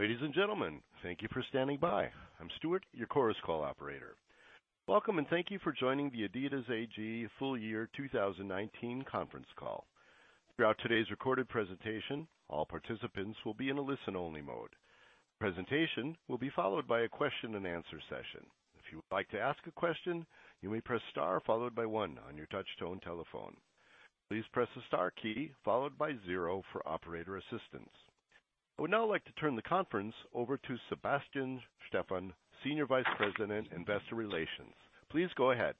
Ladies and gentlemen, thank you for standing by. I'm Stuart, your Chorus Call operator. Welcome. Thank you for joining the adidas AG Full Year 2019 conference call. Throughout today's recorded presentation, all participants will be in a listen-only mode. The presentation will be followed by a question and answer session. If you would like to ask a question, you may press star followed by one on your touch-tone telephone. Please press the star key followed by zero for operator assistance. I would now like to turn the conference over to Sebastian Steffen, Senior Vice President, Investor Relations. Please go ahead.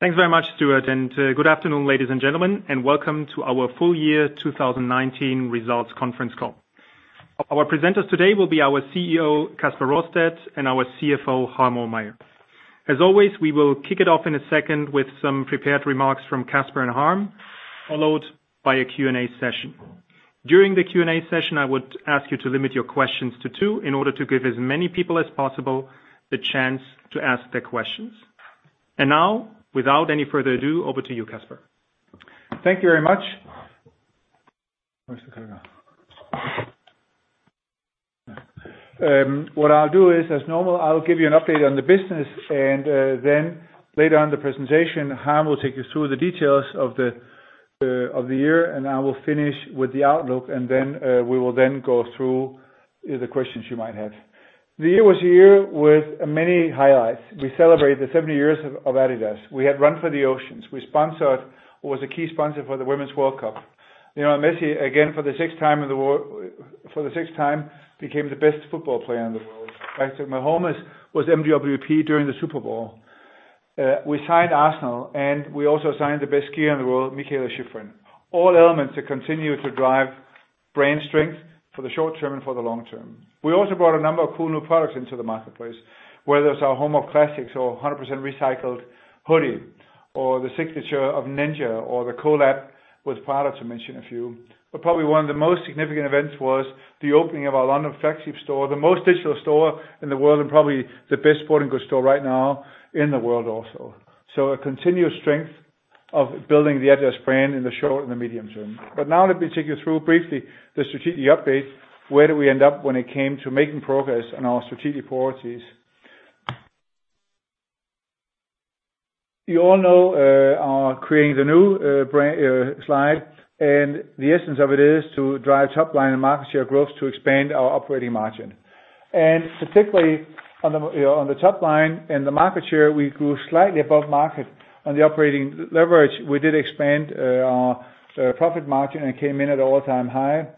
Thanks very much, Stuart, and good afternoon, ladies and gentlemen, and welcome to our full year 2019 results conference call. Our presenters today will be our CEO, Kasper Rorsted, and our CFO, Harm Ohlmeyer. As always, we will kick it off in a second with some prepared remarks from Kasper and Harm, followed by a Q&A session. During the Q&A session, I would ask you to limit your questions to two in order to give as many people as possible the chance to ask their questions. Now, without any further ado, over to you, Kasper. Thank you very much. What I'll do is, as normal, I'll give you an update on the business, and then later on in the presentation, Harm will take you through the details of the year, and I will finish with the outlook, and we will then go through the questions you might have. The year was a year with many highlights. We celebrated the 70 years of adidas. We had Run For The Oceans. We were the key sponsor for the Women's World Cup. Messi, again, for the sixth time, became the best football player in the world. Patrick Mahomes was MVP during the Super Bowl. We signed Arsenal, and we also signed the best skier in the world, Mikaela Shiffrin. All elements that continue to drive brand strength for the short-term and for the long-term. We also brought a number of cool new products into the marketplace, whether it's our Home of Classics or 100% recycled hoodie, or the signature of Ninja, or the collab with Prada, to mention a few. Probably one of the most significant events was the opening of our London flagship store, the most digital store in the world, and probably the best sporting goods store right now in the world also. A continuous strength of building the adidas brand in the short and the medium term. Now let me take you through briefly the strategic update. Where did we end up when it came to making progress on our strategic priorities? You all know our Creating the New slide, and the essence of it is to drive top line and market share growth to expand our operating margin. Particularly on the top line and the market share, we grew slightly above market. On the operating leverage, we did expand our profit margin and came in at an all-time high.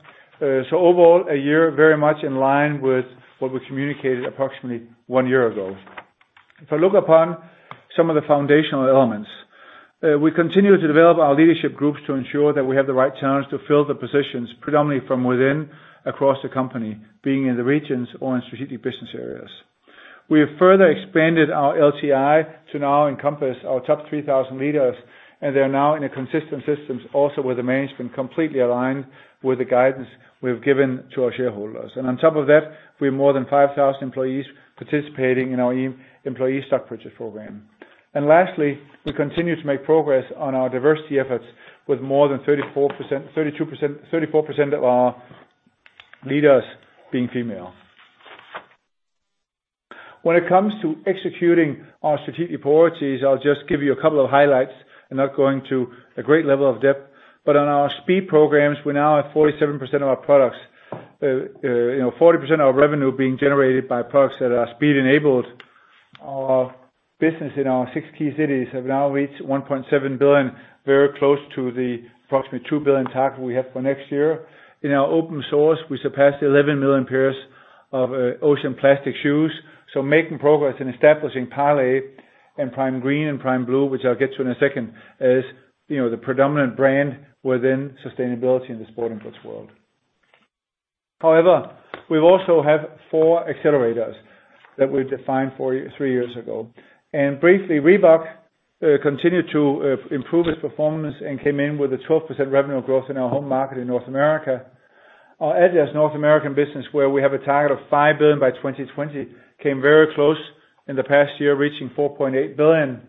Overall, a year very much in line with what we communicated approximately one year ago. If I look upon some of the foundational elements, we continue to develop our leadership groups to ensure that we have the right talent to fill the positions, predominantly from within, across the company, being in the regions or in strategic business areas. We have further expanded our LTI to now encompass our top 3,000 leaders, and they're now in a consistent system also with the management, completely aligned with the guidance we've given to our shareholders. On top of that, we have more than 5,000 employees participating in our employee stock purchase program. Lastly, we continue to make progress on our diversity efforts with more than 34% of our leaders being female. When it comes to executing our strategic priorities, I'll just give you a couple of highlights and not go into a great level of depth. On our speed programs, we're now at 40% of our revenue being generated by products that are speed-enabled. Our business in our six key cities have now reached 1.7 billion, very close to the approximately 2 billion target we have for next year. In our open source, we surpassed 11 million pairs of ocean plastic shoes. Making progress in establishing Parley and Primegreen and Primeblue, which I'll get to in a second, as the predominant brand within sustainability in the sporting goods world. We also have four accelerators that we defined three years ago. Briefly, Reebok continued to improve its performance and came in with a 12% revenue growth in our home market in North America. Our adidas North American business, where we have a target of 5 billion by 2020, came very close in the past year, reaching 4.8 billion.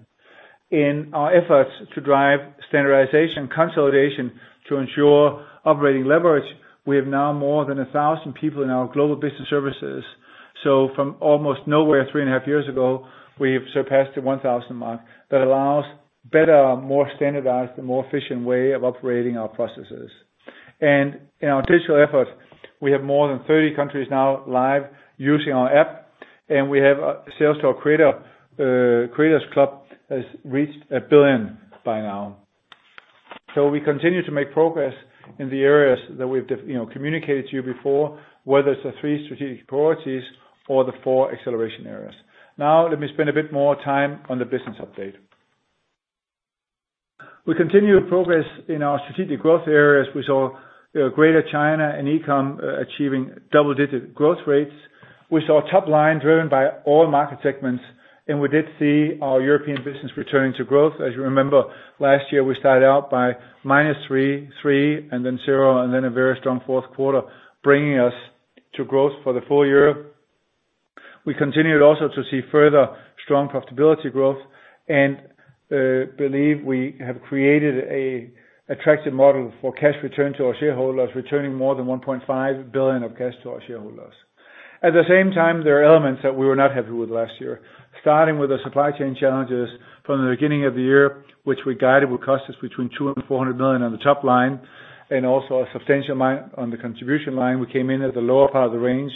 In our efforts to drive standardization consolidation to ensure operating leverage, we have now more than 1,000 people in our Global Business Services. From almost nowhere three and a half years ago, we have surpassed the 1,000 mark. That allows better, more standardized, and more efficient way of operating our processes. In our digital effort, we have more than 30 countries now live using our app, and we have sales to our Creators Club has reached 1 billion by now. We continue to make progress in the areas that we've communicated to you before, whether it's the three strategic priorities or the four acceleration areas. Let me spend a bit more time on the business update. We continue progress in our strategic growth areas. We saw Greater China and e-com achieving double-digit growth rates. We saw top line driven by all market segments, and we did see our European business returning to growth. As you remember, last year, we started out by -3, and then zero, and then a very strong fourth quarter, bringing us to growth for the full year. We continued also to see further strong profitability growth, and believe we have created an attractive model for cash return to our shareholders, returning more than 1.5 billion of cash to our shareholders. At the same time, there are elements that we were not happy with last year. Starting with the supply chain challenges from the beginning of the year, which we guided would cost us between 200 million-400 million on the top line, and also a substantial amount on the contribution line. We came in at the lower part of the range,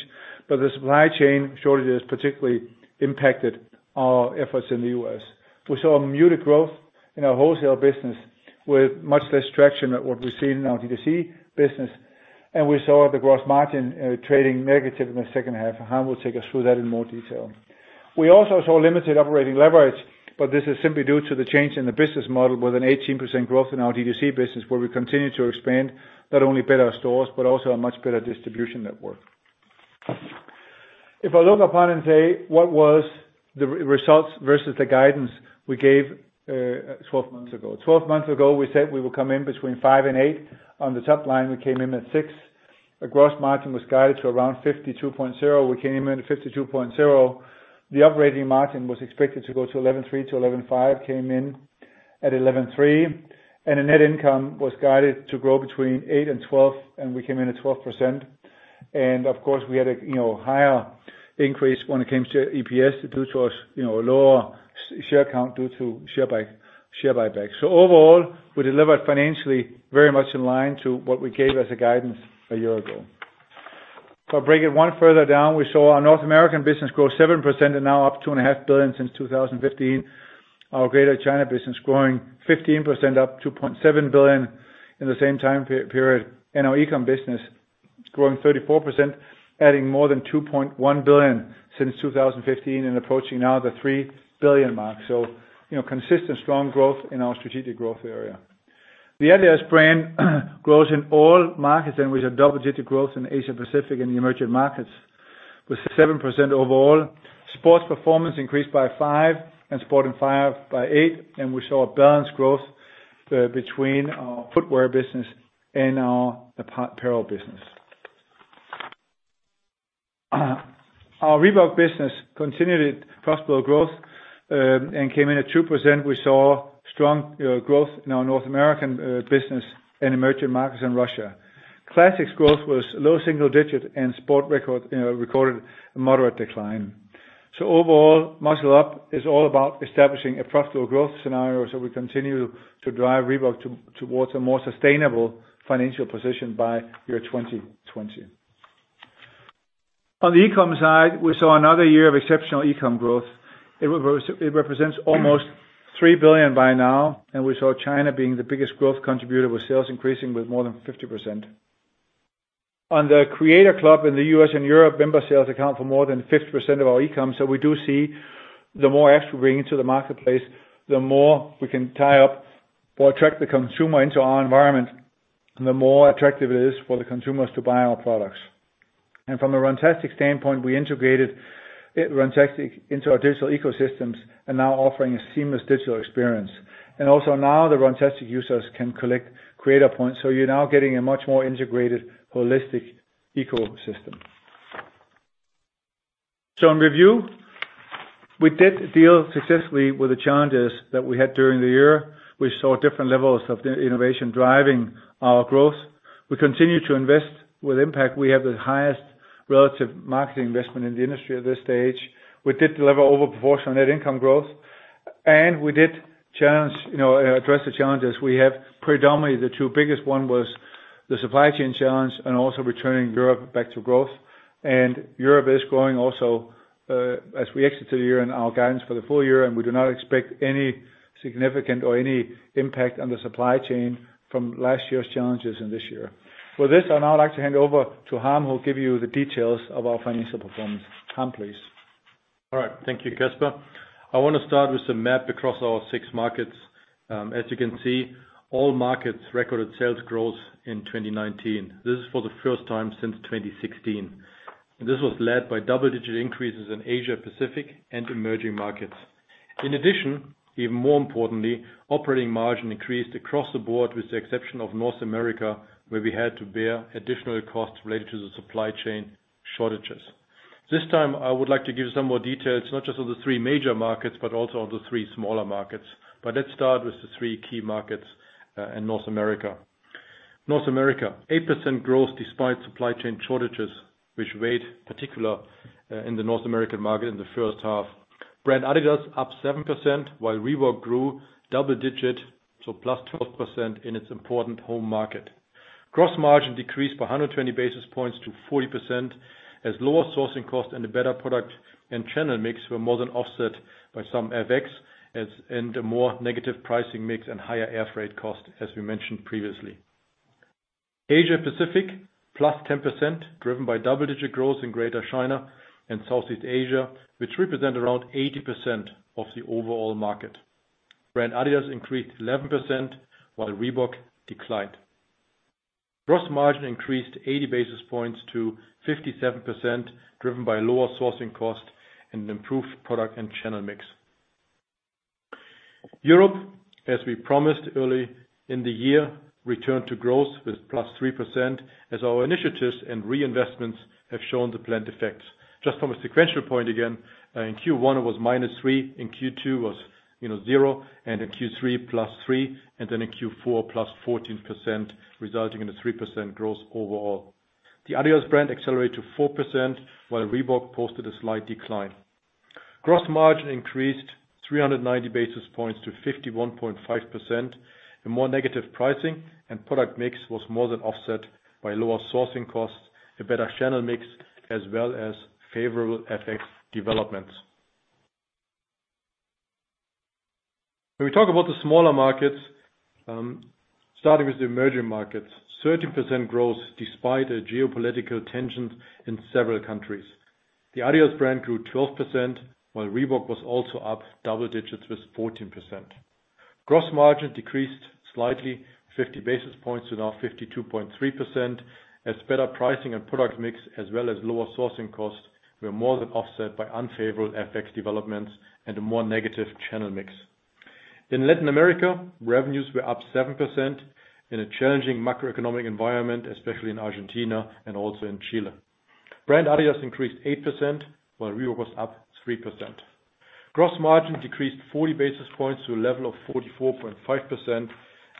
the supply chain shortage has particularly impacted our efforts in the U.S. We saw muted growth in our wholesale business, with much less traction than what we've seen in our D2C business, and we saw the gross margin trading negative in the second half. Harm will take us through that in more detail. We also saw limited operating leverage, but this is simply due to the change in the business model with an 18% growth in our D2C business, where we continue to expand not only better stores, but also a much better distribution network. If I look upon and say, what was the results versus the guidance we gave 12 months ago. 12 months ago, we said we would come in between five and eight. On the top line, we came in at six. Our gross margin was guided to around 52.0. We came in at 52.0. The operating margin was expected to go to 11.3%-11.5%, came in at 11.3%, and the net income was guided to grow between 8% and 12%, and we came in at 12%. Of course, we had a higher increase when it came to EPS due to our lower share count due to share buybacks. Overall, we delivered financially very much in line to what we gave as a guidance a year ago. If I break it one further down, we saw our North American business grow 7% and now up 2.5 billion since 2015. Our Greater China business growing 15%, up 2.7 billion in the same time period. Our e-com business growing 34%, adding more than 2.1 billion since 2015 and approaching now the 3 billion mark. Consistent, strong growth in our strategic growth area. The adidas brand grows in all markets and with a double-digit growth in Asia Pacific and the emerging markets with 7% overall. Sport Performance increased by 5% and Sport Inspired by 8%. We saw a balanced growth between our footwear business and our apparel business. Our Reebok business continued profitable growth and came in at 2%. We saw strong growth in our North American business and emerging markets in Russia. Classics growth was low single digit and sport recorded a moderate decline. Overall, Muscle Up is all about establishing a profitable growth scenario so we continue to drive Reebok towards a more sustainable financial position by year 2020. On the e-com side, we saw another year of exceptional e-com growth. It represents almost 3 billion by now. We saw China being the biggest growth contributor, with sales increasing with more than 50%. On the Creators Club in the U.S. and Europe, member sales account for more than 50% of our e-com. We do see the more adds we bring into the marketplace, the more we can tie up or attract the consumer into our environment, and the more attractive it is for the consumers to buy our products. From a Runtastic standpoint, we integrated Runtastic into our digital ecosystems and are now offering a seamless digital experience. Also now the Runtastic users can collect Creator Points. You're now getting a much more integrated holistic ecosystem. In review, we did deal successfully with the challenges that we had during the year. We saw different levels of innovation driving our growth. We continue to invest with impact. We have the highest relative marketing investment in the industry at this stage. We did deliver over proportion net income growth, and we did address the challenges we have. Predominantly, the two biggest one was the supply chain challenge and also returning Europe back to growth. Europe is growing also, as we exit the year in our guidance for the full year, and we do not expect any significant or any impact on the supply chain from last year's challenges in this year. For this, I now like to hand over to Harm, who will give you the details of our financial performance. Harm, please. All right. Thank you, Kasper. I want to start with the map across our six markets. As you can see, all markets recorded sales growth in 2019. This is for the first time since 2016. This was led by double-digit increases in Asia Pacific and emerging markets. Even more importantly, operating margin increased across the board, with the exception of North America, where we had to bear additional costs related to the supply chain shortages. This time, I would like to give some more details, not just on the three major markets, but also on the three smaller markets. Let's start with the three key markets in North America. North America, 8% growth despite supply chain shortages, which weighed particular in the North American market in the first half. Brand adidas up 7%, while Reebok grew double digit, +12% in its important home market. Gross margin decreased by 120 basis points to 40%, as lower sourcing cost and a better product and channel mix were more than offset by some FX and a more negative pricing mix and higher air freight cost, as we mentioned previously. Asia Pacific, +10%, driven by double-digit growth in Greater China and Southeast Asia, which represent around 80% of the overall market. Brand adidas increased 11%, while Reebok declined. Gross margin increased 80 basis points to 57%, driven by lower sourcing cost and improved product and channel mix. Europe, as we promised early in the year, returned to growth with +3% as our initiatives and reinvestments have shown the planned effects. Just from a sequential point again, in Q1, it was -3%, in Q2 was 0%, and in Q3, +3%, and then in Q4, +14%, resulting in a 3% growth overall. The adidas brand accelerated to 4%, while Reebok posted a slight decline. Gross margin increased 390 basis points to 51.5%. A more negative pricing and product mix was more than offset by lower sourcing costs, a better channel mix, as well as favorable FX developments. We talk about the smaller markets, starting with the emerging markets, 13% growth despite geopolitical tensions in several countries. The adidas brand grew 12%, while Reebok was also up double digits with 14%. Gross margin decreased slightly, 50 basis points to now 52.3%, as better pricing and product mix, as well as lower sourcing costs, were more than offset by unfavorable FX developments and a more negative channel mix. In Latin America, revenues were up 7% in a challenging macroeconomic environment, especially in Argentina and also in Chile. Brand adidas increased 8% while Reebok was up 3%. Gross margin decreased 40 basis points to a level of 44.5%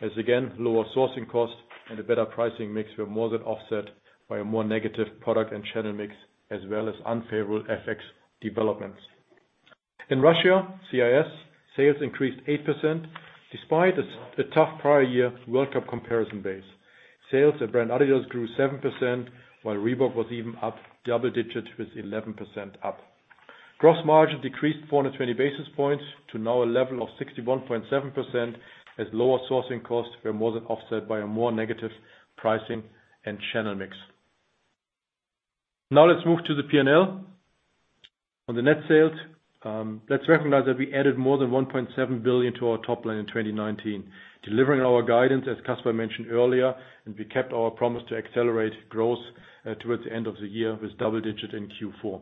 as, again, lower sourcing costs and a better pricing mix were more than offset by a more negative product and channel mix, as well as unfavorable FX developments. In Russia, CIS, sales increased 8%, despite a tough prior year World Cup comparison base. Sales at brand adidas grew 7%, while Reebok was even up double digits with 11% up. Gross margin decreased 420 basis points to now a level of 61.7% as lower sourcing costs were more than offset by a more negative pricing and channel mix. Now let's move to the P&L. On the net sales, let's recognize that we added more than 1.7 billion to our top line in 2019, delivering our guidance, as Kasper mentioned earlier, and we kept our promise to accelerate growth towards the end of the year with double digits in Q4.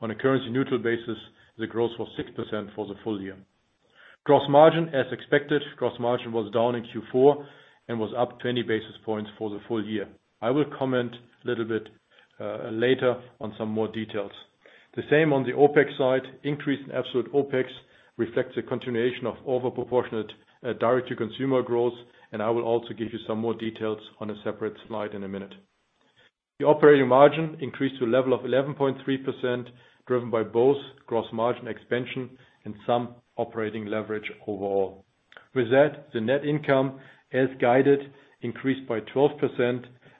On a currency-neutral basis, the growth was 6% for the full year. Gross margin, as expected, gross margin was down in Q4 and was up 20 basis points for the full year. I will comment a little bit later on some more details. The same on the OpEx side. Increase in absolute OpEx reflects a continuation of over proportionate direct-to-consumer growth, and I will also give you some more details on a separate slide in a minute. The operating margin increased to a level of 11.3%, driven by both gross margin expansion and some operating leverage overall. With that, the net income, as guided, increased by 12%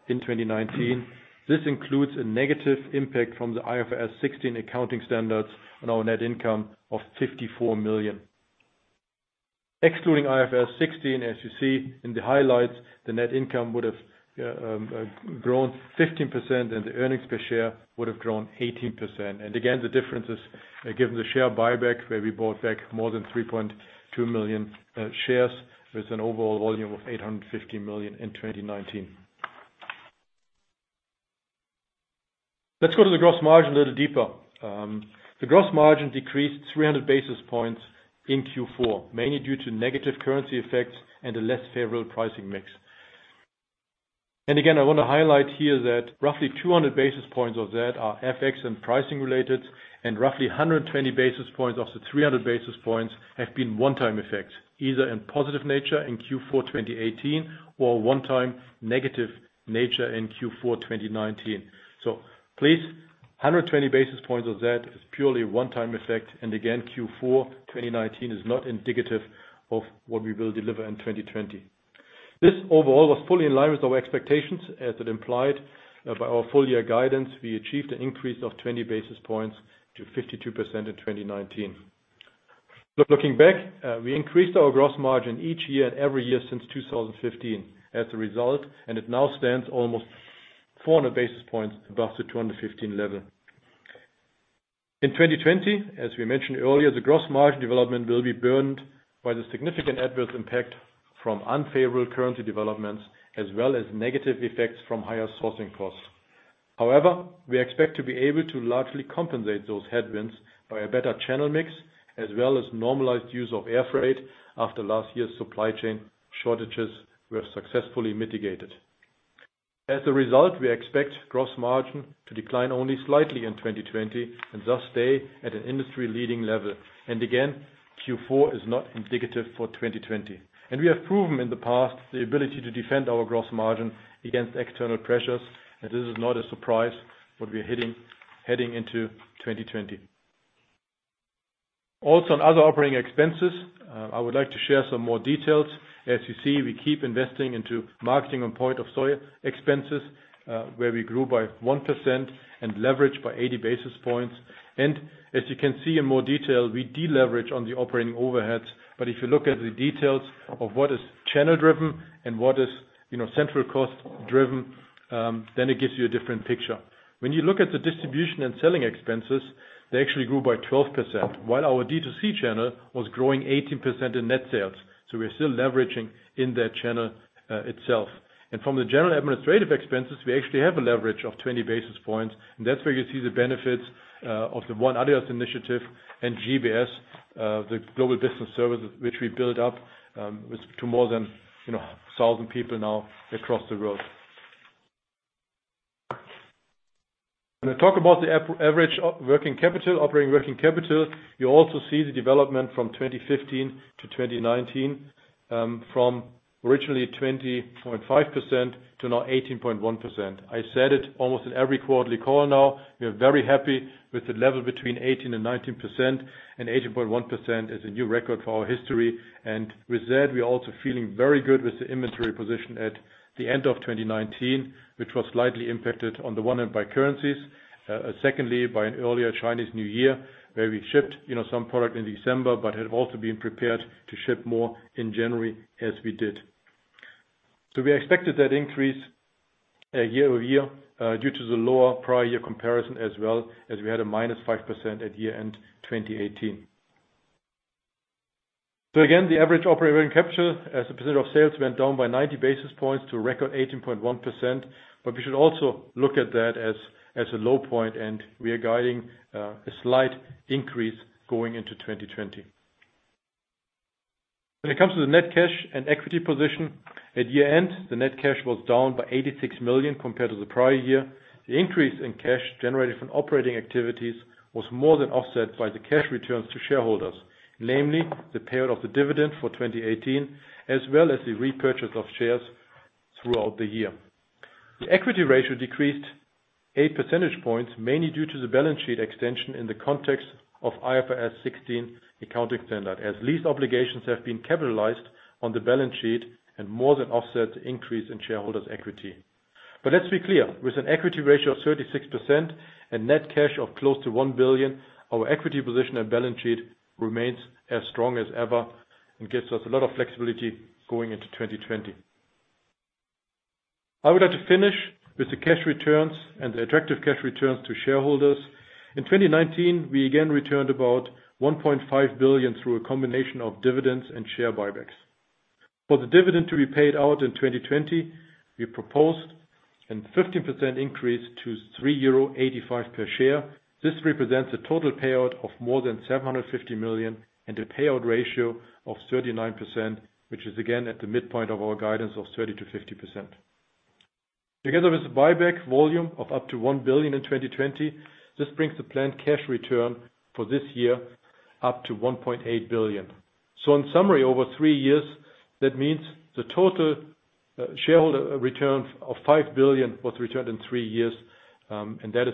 in 2019. This includes a negative impact from the IFRS 16 accounting standards on our net income of 54 million. Excluding IFRS 16, as you see in the highlights, the net income would have grown 15% and the earnings per share would have grown 18%. Again, the difference is given the share buyback, where we bought back more than 3.2 million shares with an overall volume of 850 million in 2019. Let's go to the gross margin a little deeper. The gross margin decreased 300 basis points in Q4, mainly due to negative currency effects and a less favorable pricing mix. Again, I want to highlight here that roughly 200 basis points of that are FX and pricing related, and roughly 120 basis points of the 300 basis points have been one-time effects, either in positive nature in Q4 2018 or one-time negative nature in Q4 2019. Please, 120 basis points of that is purely a one-time effect. Again, Q4 2019 is not indicative of what we will deliver in 2020. This overall was fully in line with our expectations, as it implied by our full-year guidance. We achieved an increase of 20 basis points to 52% in 2019. Looking back, we increased our gross margin each year and every year since 2015 as a result, and it now stands almost 400 basis points above the 2015 level. In 2020, as we mentioned earlier, the gross margin development will be burned by the significant adverse impact from unfavorable currency developments, as well as negative effects from higher sourcing costs. We expect to be able to largely compensate those headwinds by a better channel mix, as well as normalized use of air freight after last year's supply chain shortages were successfully mitigated. We expect gross margin to decline only slightly in 2020 and thus stay at an industry-leading level. Again, Q4 is not indicative for 2020. We have proven in the past the ability to defend our gross margin against external pressures, and this is not a surprise what we're heading into 2020. On other operating expenses, I would like to share some more details. As you see, we keep investing into marketing and point-of-sale expenses, where we grew by 1% and leveraged by 80 basis points. As you can see in more detail, we deleverage on the operating overheads. If you look at the details of what is channel-driven and what is central cost-driven, then it gives you a different picture. When you look at the distribution and selling expenses, they actually grew by 12%, while our D2C channel was growing 18% in net sales. We're still leveraging in that channel itself. From the general administrative expenses, we actually have a leverage of 20 basis points, and that's where you see the benefits of the ONE adidas initiative and GBS, the Global Business Services, which we built up to more than 1,000 people now across the world. When I talk about the average operating working capital, you also see the development from 2015 to 2019, from originally 20.5% to now 18.1%. I said it almost in every quarterly call now, we are very happy with the level between 18% and 19%, and 18.1% is a new record for our history. With that, we're also feeling very good with the inventory position at the end of 2019, which was slightly impacted on the one end by currencies. Secondly, by an earlier Chinese New Year, where we shipped some product in December, but had also been prepared to ship more in January as we did. We expected that increase year-over-year, due to the lower prior year comparison as well as we had a -5% at year end 2018. Again, the average operating capital as a percent of sales went down by 90 basis points to a record 18.1%, but we should also look at that as a low point, and we are guiding a slight increase going into 2020. When it comes to the net cash and equity position at year end, the net cash was down by 86 million compared to the prior year. The increase in cash generated from operating activities was more than offset by the cash returns to shareholders, namely the payout of the dividend for 2018, as well as the repurchase of shares throughout the year. The equity ratio decreased eight percentage points, mainly due to the balance sheet extension in the context of IFRS 16 accounting standard, as lease obligations have been capitalized on the balance sheet and more than offset the increase in shareholders' equity. Let's be clear, with an equity ratio of 36% and net cash of close to 1 billion, our equity position and balance sheet remains as strong as ever and gives us a lot of flexibility going into 2020. I would like to finish with the cash returns and the attractive cash returns to shareholders. In 2019, we again returned about 1.5 billion through a combination of dividends and share buybacks. For the dividend to be paid out in 2020, we proposed a 15% increase to €3.85 per share. This represents a total payout of more than 750 million and a payout ratio of 39%, which is again at the midpoint of our guidance of 30%-50%. Together with the buyback volume of up to 1 billion in 2020, this brings the planned cash return for this year up to 1.8 billion. In summary, over three years, that means the total shareholder return of 5 billion was returned in three years, and that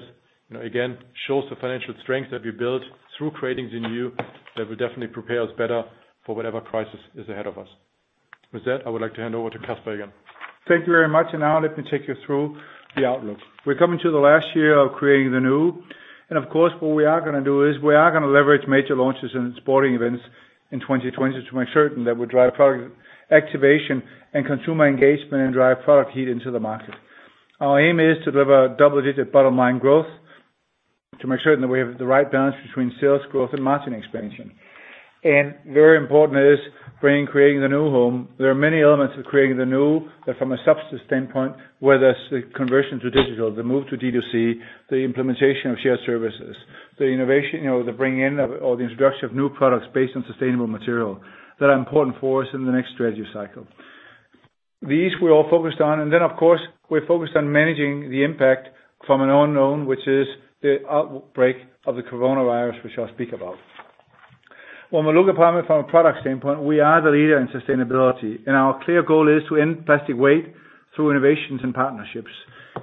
again shows the financial strength that we built through Creating the New that will definitely prepare us better for whatever crisis is ahead of us. With that, I would like to hand over to Kasper again. Thank you very much. Now let me take you through the outlook. We're coming to the last year of Creating the New. Of course, what we are going to do is we are going to leverage major launches and sporting events in 2020 to make certain that we drive product activation and consumer engagement and drive product heat into the market. Our aim is to deliver double-digit bottom-line growth to make sure that we have the right balance between sales growth and margin expansion. Very important is bringing Creating the New home. There are many elements of Creating the New that from a substance standpoint, whether it's the conversion to digital, the move to D2C, the implementation of shared services, the innovation, the bring in or the introduction of new products based on sustainable material that are important for us in the next strategy cycle. These we're all focused on, and then of course, we're focused on managing the impact from an unknown, which is the outbreak of the coronavirus, which I'll speak about. When we look upon it from a product standpoint, we are the leader in sustainability, and our clear goal is to end plastic waste through innovations and partnerships.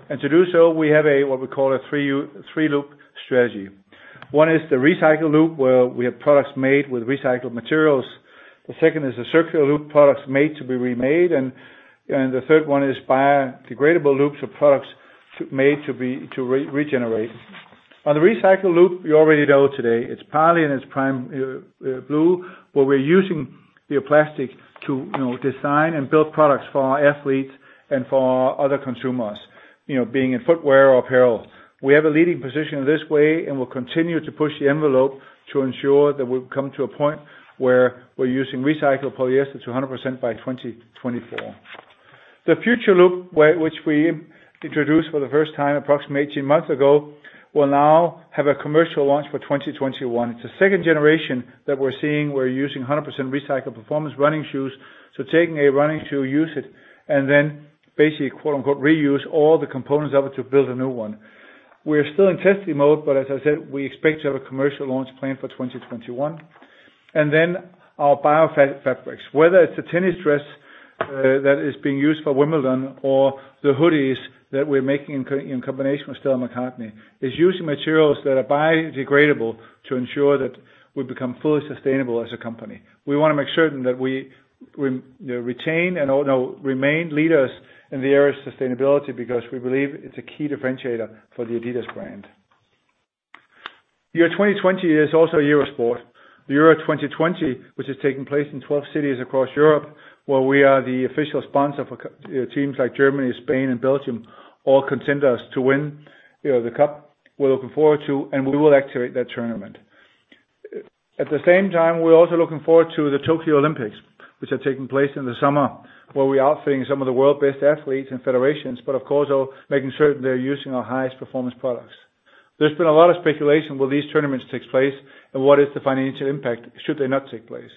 To do so, we have what we call a three-loop strategy. One is the recycle loop, where we have products made with recycled materials. The second is the circular loop, products made to be remade, and the third one is biodegradable loops of products made to regenerate. On the recycle loop, you already know today it's Parley and it's Primeblue, where we're using plastic to design and build products for our athletes and for our other consumers, being in footwear or apparel. We have a leading position in this way and will continue to push the envelope to ensure that we'll come to a point where we're using recycled polyester to 100% by 2024. The future loop, which we introduced for the first time approximately 18 months ago, will now have a commercial launch for 2021. It's a 2nd generation that we're seeing. We're using 100% recycled performance running shoes, so taking a running shoe, use it, and then basically, quote-unquote, "reuse" all the components of it to build a new one. We're still in testing mode, but as I said, we expect to have a commercial launch planned for 2021. Our bio fabrics, whether it's a tennis dress that is being used for Wimbledon or the hoodies that we're making in combination with Stella McCartney, is using materials that are biodegradable to ensure that we become fully sustainable as a company. We want to make certain that we retain and remain leaders in the area of sustainability because we believe it's a key differentiator for the Adidas brand. Year 2020 is also a year of sport. Euro 2020, which is taking place in 12 cities across Europe, where we are the official sponsor for teams like Germany, Spain, and Belgium, all contenders to win the cup. We're looking forward to and we will activate that tournament. At the same time, we're also looking forward to the Tokyo Olympics, which are taking place in the summer, where we're outfitting some of the world's best athletes and federations, but of course, making certain they're using our highest performance products. There's been a lot of speculation, will these tournaments take place, and what is the financial impact should they not take place?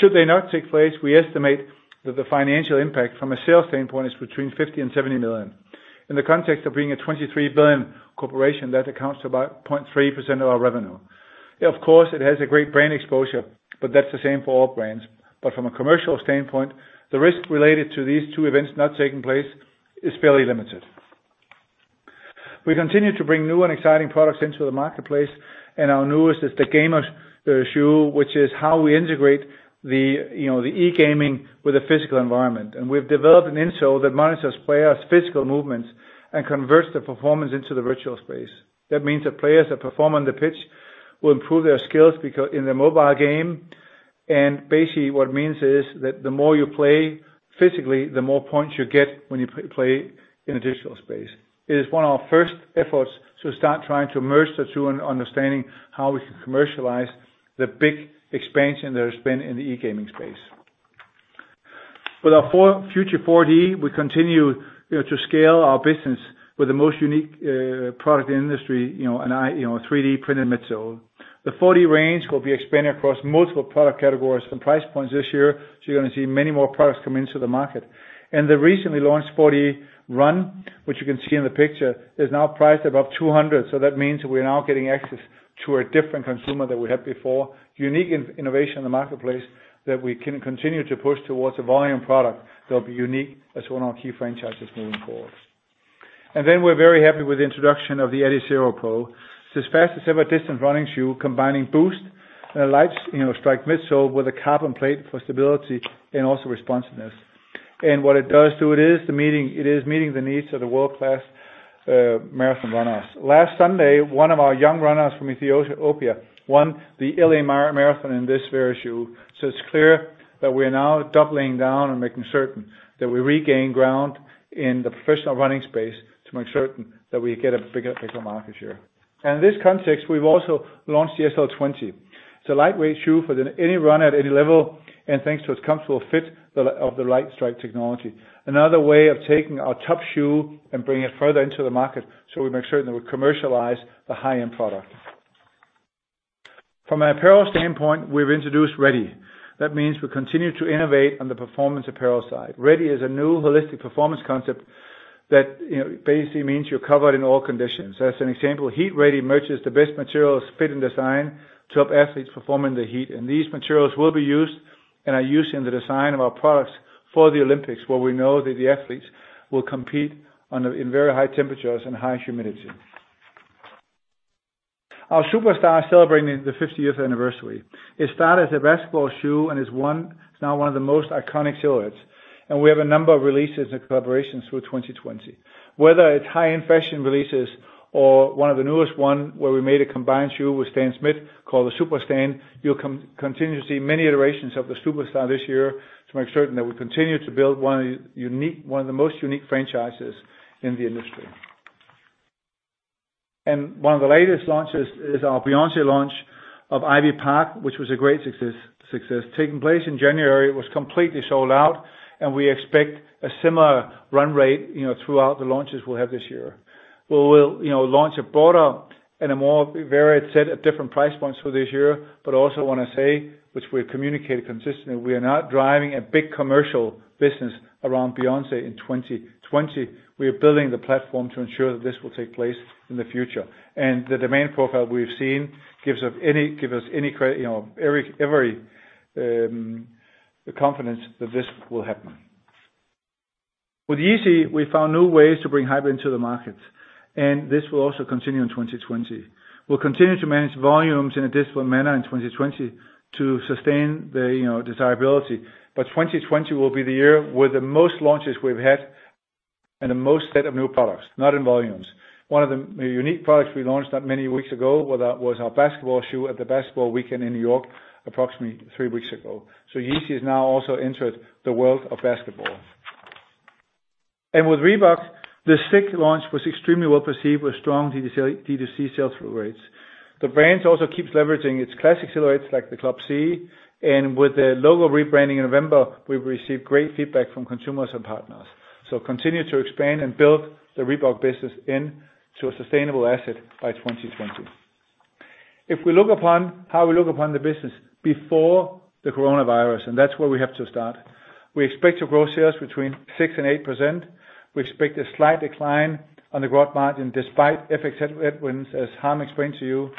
Should they not take place, we estimate that the financial impact from a sales standpoint is between 50 million and 70 million. In the context of being a 23 billion corporation, that accounts to about 0.3% of our revenue. It has a great brand exposure, but that's the same for all brands. From a commercial standpoint, the risk related to these two events not taking place is fairly limited. We continue to bring new and exciting products into the marketplace. Our newest is the GMR, which is how we integrate the e-gaming with the physical environment. We've developed an insole that monitors players' physical movements and converts the performance into the virtual space. That means the players that perform on the pitch will improve their skills in their mobile game. Basically what it means is that the more you play physically, the more points you get when you play in a digital space. It is one of our first efforts to start trying to merge the two and understanding how we can commercialize the big expansion there has been in the e-gaming space. With our Futurecraft 4D, we continue to scale our business with the most unique product in the industry, a 3D printed midsole. The 4D range will be expanded across multiple product categories and price points this year, so you're going to see many more products come into the market. The recently launched 4D Run, which you can see in the picture, is now priced above 200. That means we're now getting access to a different consumer than we had before. Unique innovation in the marketplace that we can continue to push towards a volume product that will be unique as one of our key franchises moving forward. We're very happy with the introduction of the Adizero Pro. It's the fastest ever distance running shoe, combining Boost and a Lightstrike midsole with a carbon plate for stability and also responsiveness. What it does do is, it is meeting the needs of the world-class marathon runners. Last Sunday, one of our young runners from Ethiopia won the L.A. marathon in this very shoe. It's clear that we're now doubling down and making certain that we regain ground in the professional running space to make certain that we get a bigger market share. In this context, we've also launched the SL20. It's a lightweight shoe for any runner at any level, and thanks to its comfortable fit of the Lightstrike technology. Another way of taking our top shoe and bringing it further into the market, we make certain that we commercialize the high-end product. From an apparel standpoint, we've introduced Ready. That means we continue to innovate on the performance apparel side. Ready is a new holistic performance concept that basically means you're covered in all conditions. As an example, HEAT.RDY merges the best materials fit in design to help athletes perform in the heat, and these materials will be used and are used in the design of our products for the Olympics, where we know that the athletes will compete in very high temperatures and high humidity. Our Superstar is celebrating the 50th anniversary. It started as a basketball shoe and is now one of the most iconic silhouettes, and we have a number of releases and collaborations through 2020. Whether it's high-end fashion releases or one of the newest one where we made a combined shoe with Stan Smith called the Superstan, you'll continue to see many iterations of the Superstar this year to make certain that we continue to build one of the most unique franchises in the industry. One of the latest launches is our Beyoncé launch of Ivy Park, which was a great success. Taking place in January, it was completely sold out, and we expect a similar run rate throughout the launches we'll have this year. We will launch a broader and a more varied set at different price points for this year, but also want to say, which we've communicated consistently, we are not driving a big commercial business around Beyoncé in 2020. We are building the platform to ensure that this will take place in the future. The demand profile we've seen gives us every confidence that this will happen. With Yeezy, we found new ways to bring hype into the market, and this will also continue in 2020. We'll continue to manage volumes in a disciplined manner in 2020 to sustain the desirability. 2020 will be the year with the most launches we've had and the most set of new products, not in volumes. One of the unique products we launched not many weeks ago was our basketball shoe at the basketball weekend in New York approximately three weeks ago. Yeezy has now also entered the world of basketball. With Reebok, the six launch was extremely well-perceived with strong D2C sales through rates. The brand also keeps leveraging its classic silhouettes like the Club C, and with the logo rebranding in November, we've received great feedback from consumers and partners. Continue to expand and build the Reebok business into a sustainable asset by 2020. If we look upon how we look upon the business before the coronavirus, and that's where we have to start, we expect to grow sales between 6% and 8%. We expect a slight decline on the gross margin despite FX headwinds as Harm explained to you.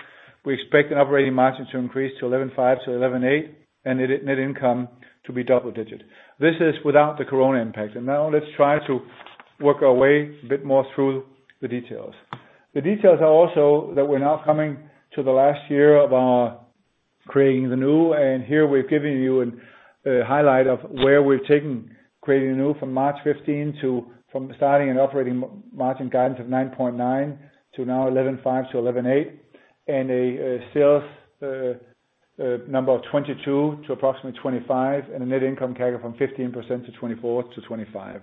We expect an operating margin to increase to 11.5%-11.8%, and net income to be double-digit. This is without the coronavirus impact. Now let's try to work our way a bit more through the details. The details are also that we're now coming to the last year of our Creating the New, and here we're giving you a highlight of where we've taken Creating the New from March 2015 to from starting an operating margin guidance of 9.9% to now 11.5%-11.8%, and a sales number of 22 billion to approximately 25 billion, and a net income CAGR from 15% to 24%-25%.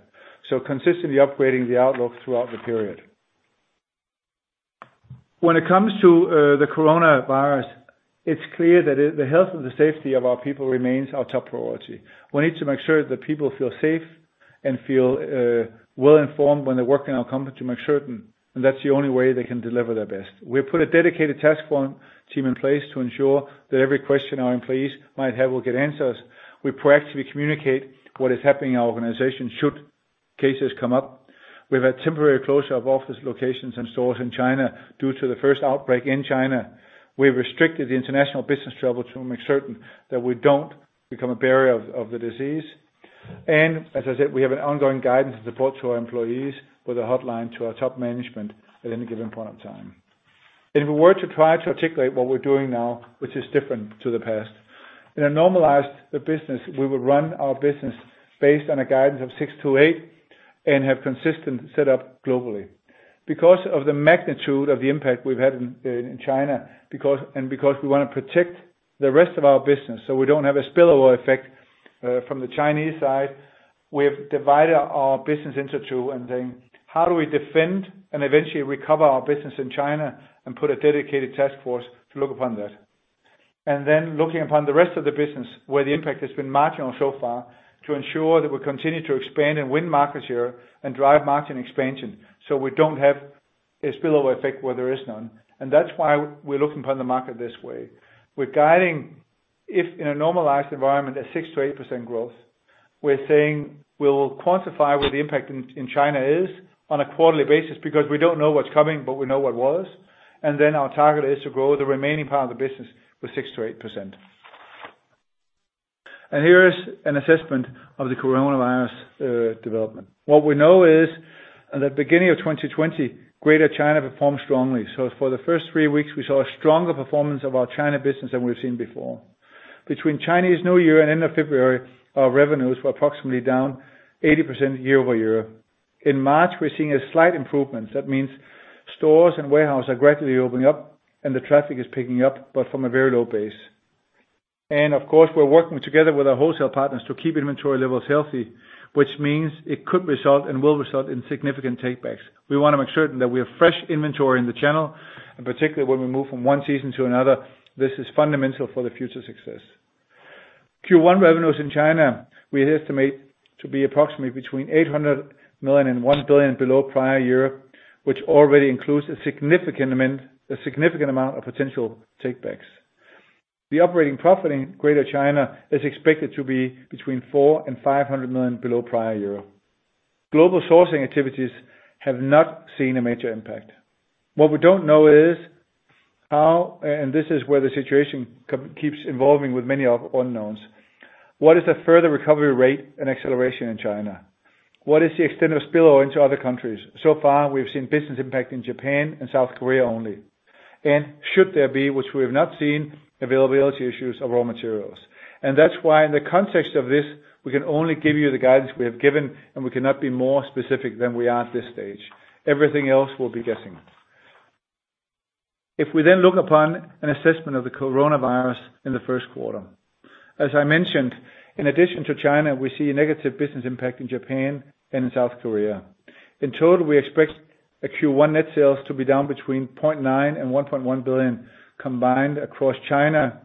Consistently upgrading the outlook throughout the period. When it comes to the coronavirus, it's clear that the health and the safety of our people remains our top priority. We need to make sure that people feel safe and feel well-informed when they work in our company to make certain. That's the only way they can deliver their best. We've put a dedicated task force team in place to ensure that every question our employees might have will get answers. We practically communicate what is happening in our organization should cases come up. We've had temporary closure of office locations and stores in China due to the first outbreak in China. We've restricted international business travel to make certain that we don't become a bearer of the disease. As I said, we have an ongoing guidance and support to our employees with a hotline to our top management at any given point in time. If we were to try to articulate what we're doing now, which is different to the past. In a normalized business, we would run our business based on a guidance of 6%-8% and have consistent setup globally. Because of the magnitude of the impact we've had in China and because we want to protect the rest of our business so we don't have a spillover effect from the Chinese side, we have divided our business into two, and then how do we defend and eventually recover our business in China and put a dedicated task force to look upon that. Looking upon the rest of the business where the impact has been marginal so far to ensure that we continue to expand and win market share and drive margin expansion, so we don't have a spillover effect where there is none. That's why we're looking upon the market this way. We're guiding if in a normalized environment, a 6%-8% growth. We're saying we'll quantify where the impact in China is on a quarterly basis because we don't know what's coming, but we know what was, and then our target is to grow the remaining part of the business with 6%-8%. Here is an assessment of the coronavirus development. What we know is at the beginning of 2020, Greater China performed strongly. For the first three weeks, we saw a stronger performance of our China business than we've seen before. Between Chinese New Year and end of February, our revenues were approximately down 80% year-over-year. In March, we're seeing a slight improvement. That means stores and warehouse are gradually opening up and the traffic is picking up, but from a very low base. Of course, we're working together with our wholesale partners to keep inventory levels healthy, which means it could result and will result in significant takebacks. We want to make certain that we have fresh inventory in the channel, and particularly when we move from one season to another, this is fundamental for the future success. Q1 revenues in China we estimate to be approximately between 800 million and 1 billion below prior year, which already includes a significant amount of potential takebacks. The operating profit in Greater China is expected to be between 400 million and 500 million below prior year. Global sourcing activities have not seen a major impact. What we don't know is how, and this is where the situation keeps evolving with many unknowns, what is the further recovery rate and acceleration in China? What is the extent of spillover into other countries? So far, we've seen business impact in Japan and South Korea only. Should there be, which we have not seen, availability issues of raw materials. That's why in the context of this, we can only give you the guidance we have given, and we cannot be more specific than we are at this stage. Everything else will be guessing. If we then look upon an assessment of the coronavirus in the first quarter, as I mentioned, in addition to China, we see a negative business impact in Japan and in South Korea. In total, we expect Q1 net sales to be down between 0.9 billion and 1.1 billion combined across China,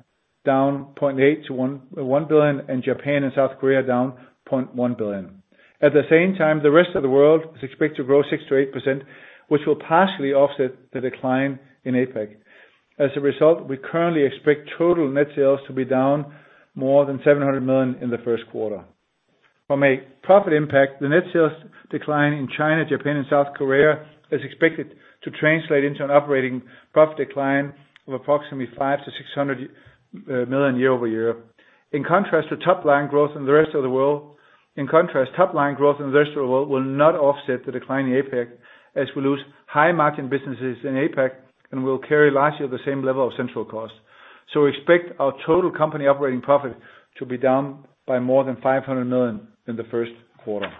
down 0.8 billion-1 billion in Japan and South Korea down 0.1 billion. At the same time, the rest of the world is expected to grow 6%-8%, which will partially offset the decline in APAC. As a result, we currently expect total net sales to be down more than 700 million in the first quarter. From a profit impact, the net sales decline in China, Japan, and South Korea is expected to translate into an operating profit decline of approximately 500 million-600 million year-over-year. In contrast, top line growth in the rest of the world will not offset the decline in APAC as we lose high margin businesses in APAC and will carry largely the same level of central cost. We expect our total company operating profit to be down by more than 500 million in the first quarter.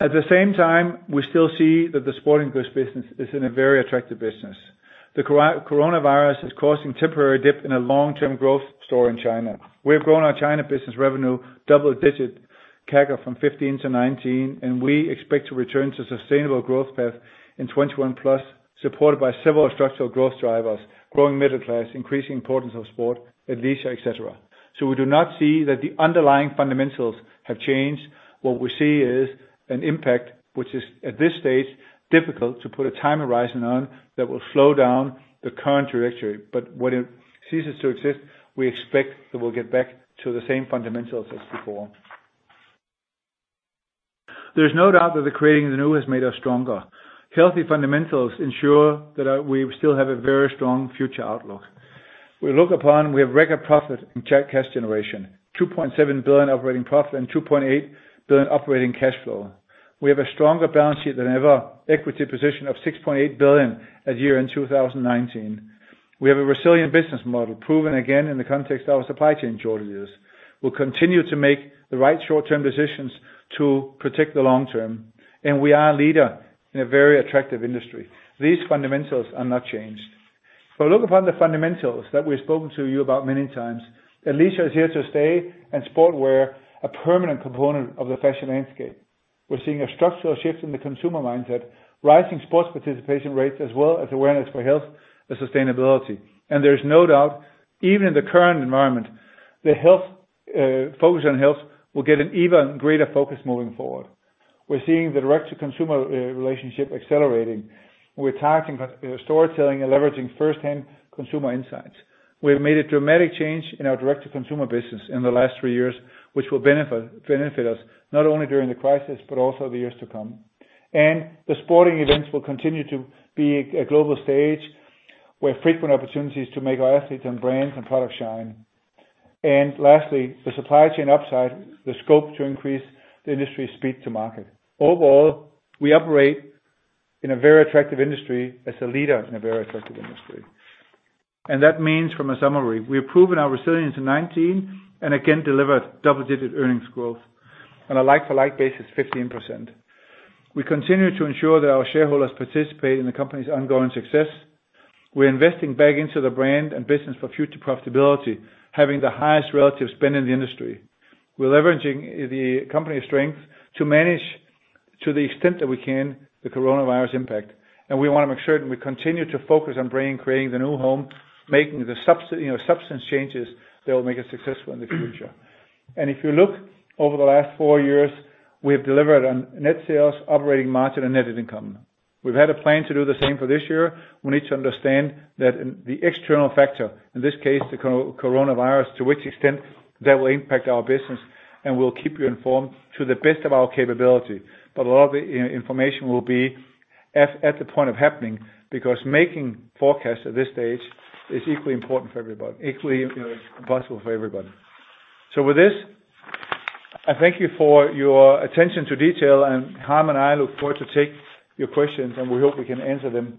At the same time, we still see that the sporting goods business is in a very attractive business. The coronavirus is causing temporary dip in a long-term growth story in China. We have grown our China business revenue double-digit CAGR from 2015 to 2019. We expect to return to sustainable growth path in 2021 plus, supported by several structural growth drivers, growing middle class, increasing importance of sport, athleisure, et cetera. We do not see that the underlying fundamentals have changed. What we see is an impact which is at this stage difficult to put a time horizon on that will slow down the current trajectory. When it ceases to exist, we expect that we'll get back to the same fundamentals as before. There's no doubt that the Creating the New has made us stronger. Healthy fundamentals ensure that we still have a very strong future outlook. We have record profit and cash generation, 2.7 billion operating profit and 2.8 billion operating cash flow. We have a stronger balance sheet than ever, equity position of 6.8 billion at year-end 2019. We have a resilient business model proven again in the context of our supply chain shortages. We'll continue to make the right short-term decisions to protect the long term. We are a leader in a very attractive industry. These fundamentals are not changed. Look upon the fundamentals that we've spoken to you about many times. Athleisure is here to stay and sportswear a permanent component of the fashion landscape. We're seeing a structural shift in the consumer mindset, rising sports participation rates, as well as awareness for health and sustainability. There's no doubt, even in the current environment, the focus on health will get an even greater focus moving forward. We're seeing the direct-to-consumer relationship accelerating. We're targeting storytelling and leveraging first-hand consumer insights. We have made a dramatic change in our direct-to-consumer business in the last three years, which will benefit us not only during the crisis, but also the years to come. The sporting events will continue to be a global stage with frequent opportunities to make our athletes and brands and products shine. Lastly, the supply chain upside, the scope to increase the industry speed to market. Overall, we operate in a very attractive industry, as a leader in a very attractive industry. That means from a summary, we have proven our resilience in 2019, and again, delivered double-digit earnings growth. On a like-to-like basis, 15%. We continue to ensure that our shareholders participate in the company's ongoing success. We're investing back into the brand and business for future profitability, having the highest relative spend in the industry. We're leveraging the company's strength to manage, to the extent that we can, the coronavirus impact. We want to make sure that we continue to focus on Creating the New, making the substance changes that will make us successful in the future. If you look over the last four years, we have delivered on net sales, operating margin, and net income. We've had a plan to do the same for this year. We need to understand that the external factor, in this case, the coronavirus, to which extent that will impact our business. We'll keep you informed to the best of our capability. A lot of the information will be at the point of happening, because making forecasts at this stage is equally impossible for everybody. With this, I thank you for your attention to detail, and Harm and I look forward to take your questions, and we hope we can answer them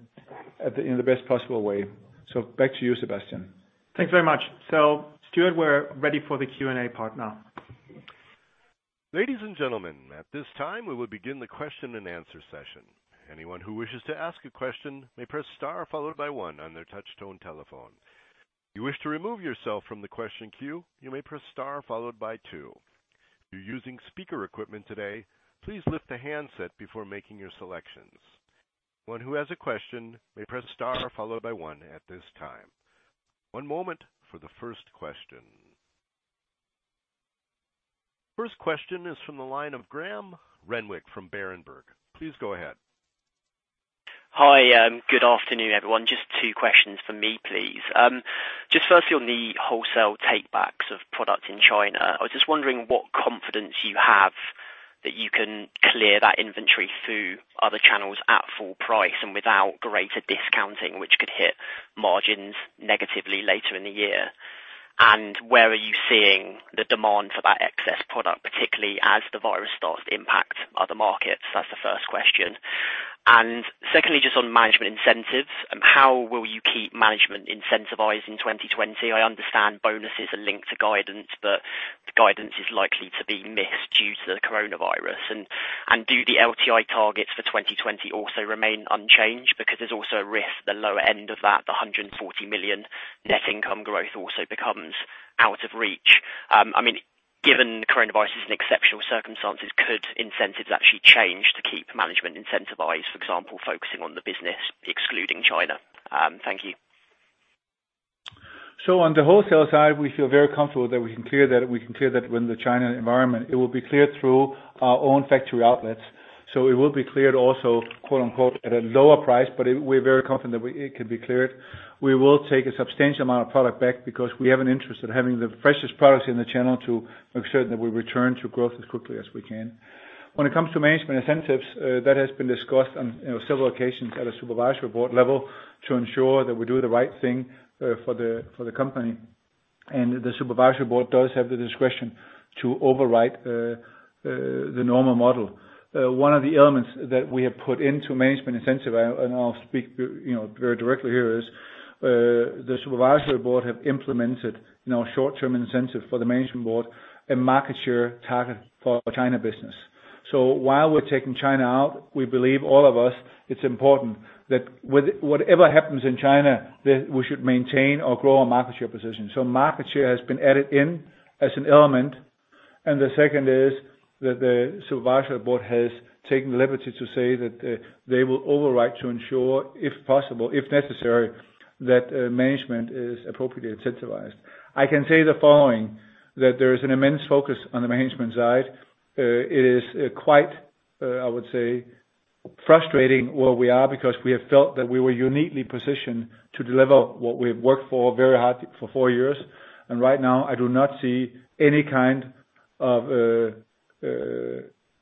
in the best possible way. Back to you, Sebastian. Thanks very much. Stuart, we're ready for the Q&A part now. Ladies and gentlemen, at this time, we will begin the question and answer session. Anyone who wishes to ask a question may press star followed by one on their touch tone telephone. If you wish to remove yourself from the question queue, you may press star followed by two. If you are using speaker equipment today, please lift the handset before making your selections. One who has a question may press star followed by one at this time. One moment for the first question. First question is from the line of Graham Renwick from Berenberg. Please go ahead. Hi. Good afternoon, everyone. Just two questions from me, please. Just firstly, on the wholesale takebacks of products in China, I was just wondering what confidence you have that you can clear that inventory through other channels at full price and without greater discounting, which could hit margins negatively later in the year. Where are you seeing the demand for that excess product, particularly as the virus starts to impact other markets? That's the first question. Secondly, just on management incentives, how will you keep management incentivized in 2020? I understand bonuses are linked to guidance, but the guidance is likely to be missed due to the coronavirus. Do the LTI targets for 2020 also remain unchanged? There's also a risk the lower end of that 140 million net income growth also becomes out of reach. Given coronavirus is an exceptional circumstance, could incentives actually change to keep management incentivized? For example, focusing on the business excluding China. Thank you. On the wholesale side, we feel very comfortable that we can clear that within the China environment. It will be cleared through our own factory outlets. It will be cleared also, quote unquote, "at a lower price," but we're very confident that it can be cleared. We will take a substantial amount of product back because we have an interest in having the freshest products in the channel to make sure that we return to growth as quickly as we can. When it comes to management incentives, that has been discussed on several occasions at a supervisory board level to ensure that we do the right thing for the company. The supervisory board does have the discretion to override the normal model. One of the elements that we have put into management incentive, and I'll speak very directly here, is the Supervisory Board have implemented Short-Term Incentive for the Management Board a market share target for China business. While we're taking China out, we believe, all of us, it's important that whatever happens in China, that we should maintain or grow our market share position. Market share has been added in as an element. The second is that the Supervisory Board has taken the liberty to say that they will override to ensure, if possible, if necessary, that management is appropriately incentivized. I can say the following, that there is an immense focus on the management side. It is quite, I would say, frustrating where we are because we have felt that we were uniquely positioned to deliver what we've worked for very hard for four years. Right now, I do not see any kind of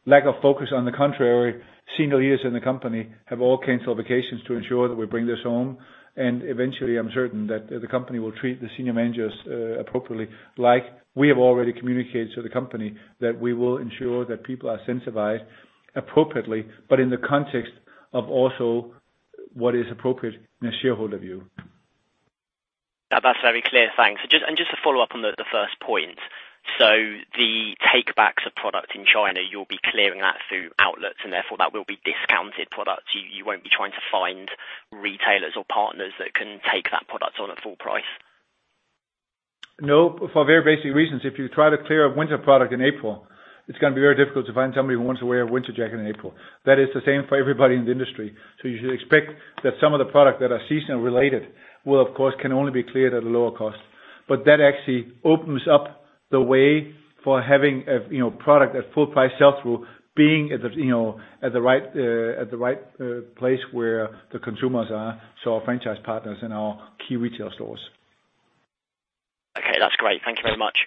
lack of focus. On the contrary, senior leaders in the company have all canceled vacations to ensure that we bring this home. Eventually, I'm certain that the company will treat the senior managers appropriately, like we have already communicated to the company that we will ensure that people are incentivized appropriately, but in the context of also what is appropriate in a shareholder view. That's very clear. Thanks. Just to follow up on the first point. The takebacks of product in China, you'll be clearing that through outlets, and therefore that will be discounted products. You won't be trying to find retailers or partners that can take that product on at full price? No, for very basic reasons. If you try to clear a winter product in April, it's going to be very difficult to find somebody who wants to wear a winter jacket in April. That is the same for everybody in the industry. You should expect that some of the product that are seasonal related will, of course, can only be cleared at a lower cost. That actually opens up the way for having a product at full price sell through, being at the right place where the consumers are, so our franchise partners and our key retail stores. Okay, that's great. Thank you very much.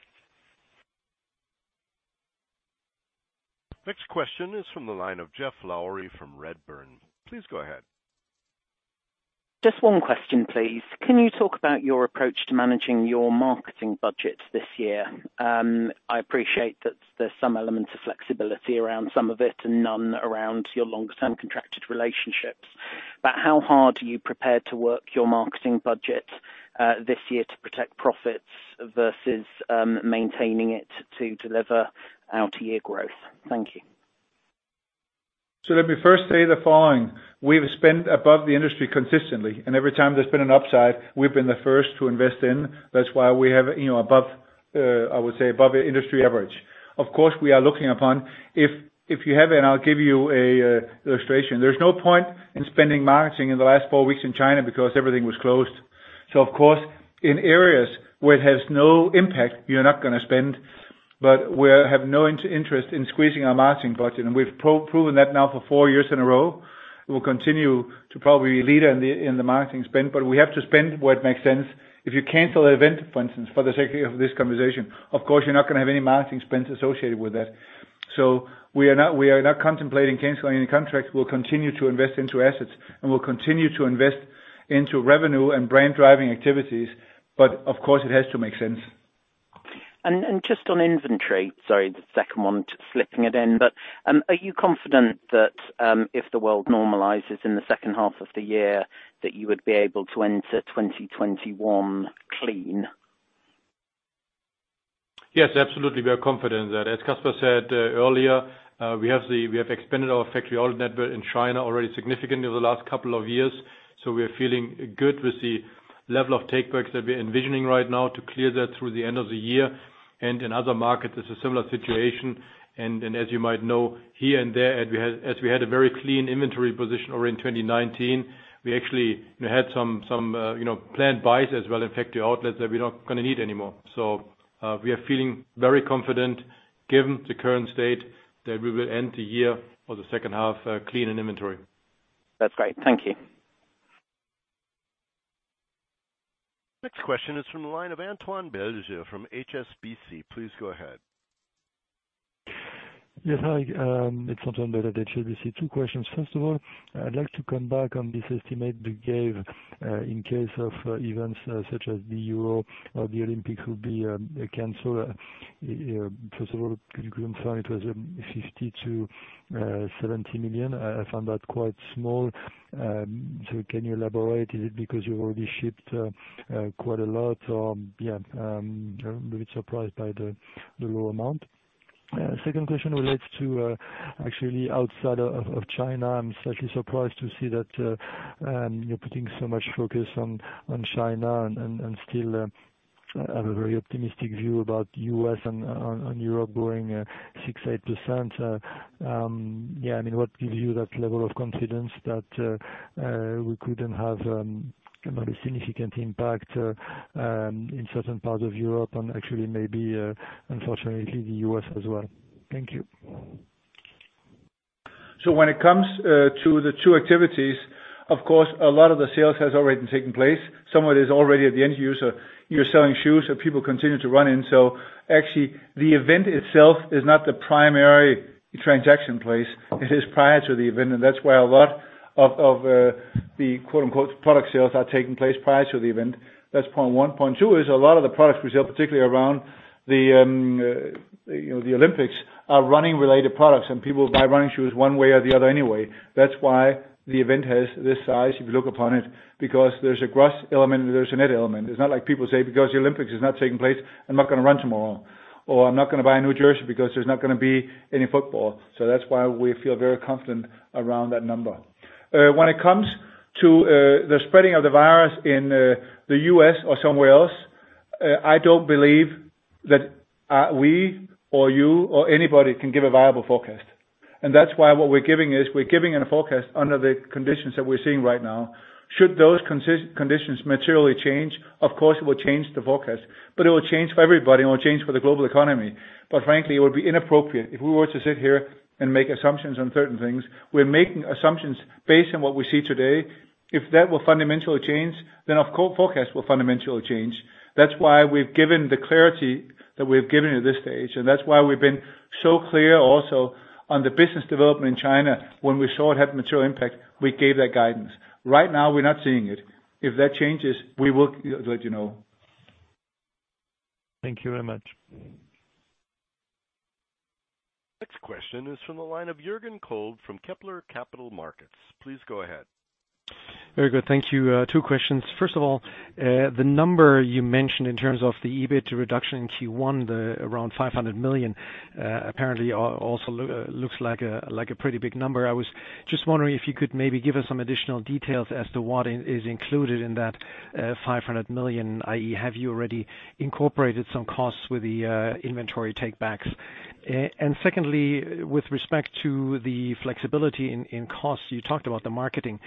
Next question is from the line of Geoff Lowery from Redburn. Please go ahead. Just one question, please. Can you talk about your approach to managing your marketing budget this year? I appreciate that there's some elements of flexibility around some of it and none around your long-term contracted relationships. How hard are you prepared to work your marketing budget this year to protect profits versus maintaining it to deliver out year growth? Thank you. Let me first say the following. We've spent above the industry consistently, and every time there's been an upside, we've been the first to invest in. That's why we have above, I would say, above industry average. Of course, we are looking upon if you have, and I'll give you an illustration. There's no point in spending marketing in the last four weeks in China because everything was closed. Of course, in areas where it has no impact, you're not going to spend. We have no interest in squeezing our marketing budget, and we've proven that now for four years in a row. We'll continue to probably lead in the marketing spend, but we have to spend where it makes sense. If you cancel an event, for instance, for the sake of this conversation, of course, you're not going to have any marketing spends associated with that. We are not contemplating canceling any contracts. We'll continue to invest into assets, and we'll continue to invest into revenue and brand-driving activities. Of course, it has to make sense. Just on inventory, sorry, the second one, slipping it in. Are you confident that if the world normalizes in the second half of the year that you would be able to enter 2021 clean? Yes, absolutely. We are confident that. As Kasper said earlier, we have expanded our factory outlet network in China already significantly over the last couple of years. We are feeling good with the level of takebacks that we're envisioning right now to clear that through the end of the year. In other markets, it's a similar situation. As you might know, here and there, as we had a very clean inventory position already in 2019, we actually had some planned buys as well in factory outlets that we're not going to need anymore. We are feeling very confident given the current state that we will end the year or the second half clean in inventory. That's great. Thank you. Next question is from the line of Antoine Belge from HSBC. Please go ahead. Yes, hi. It's Antoine Belge at HSBC. Two questions. First of all, I'd like to come back on this estimate that you gave, in case of events such as the Euro or the Olympics will be canceled. First of all, can you confirm it was 50 million-70 million? I found that quite small. Can you elaborate? Is it because you already shipped quite a lot or yeah. I'm a bit surprised by the low amount. Second question relates to actually outside of China. I'm slightly surprised to see that you're putting so much focus on China and still have a very optimistic view about U.S. and Europe growing 6%-8%. Yeah, what gives you that level of confidence that we couldn't have a significant impact in certain parts of Europe and actually maybe, unfortunately, the U.S. as well? Thank you. When it comes to the two activities, of course, a lot of the sales has already taken place. Some of it is already at the end user. You're selling shoes that people continue to run in. Actually, the event itself is not the primary transaction place. It is prior to the event, and that's why a lot of the quote-unquote, product sales are taking place prior to the event. That's point one. Point two is a lot of the products we sell, particularly around the Olympics, are running-related products, and people buy running shoes one way or the other anyway. That's why the event has this size, if you look upon it, because there's a gross element and there's a net element. It's not like people say, because the Olympics is not taking place, I'm not going to run tomorrow, or I'm not going to buy a new jersey because there's not going to be any football. That's why we feel very confident around that number. When it comes to the spreading of the virus in the U.S. or somewhere else, I don't believe that we or you or anybody can give a viable forecast. That's why what we're giving is we're giving a forecast under the conditions that we're seeing right now. Should those conditions materially change, of course, it will change the forecast. It will change for everybody, and it will change for the global economy. Frankly, it would be inappropriate if we were to sit here and make assumptions on certain things. We're making assumptions based on what we see today. If that will fundamentally change, of course, forecasts will fundamentally change. That's why we've given the clarity that we've given at this stage. That's why we've been so clear also on the business development in China. When we saw it had material impact, we gave that guidance. Right now, we're not seeing it. If that changes, we will let you know. Thank you very much. Next question is from the line of Jürgen Kolb from Kepler Capital Markets. Please go ahead. Very good. Thank you. Two questions. First of all, the number you mentioned in terms of the EBIT reduction in Q1, the around 500 million, apparently also looks like a pretty big number. I was just wondering if you could maybe give us some additional details as to what is included in that 500 million, i.e., have you already incorporated some costs with the inventory take-backs? Secondly, with respect to the flexibility in costs, you talked about the marketing,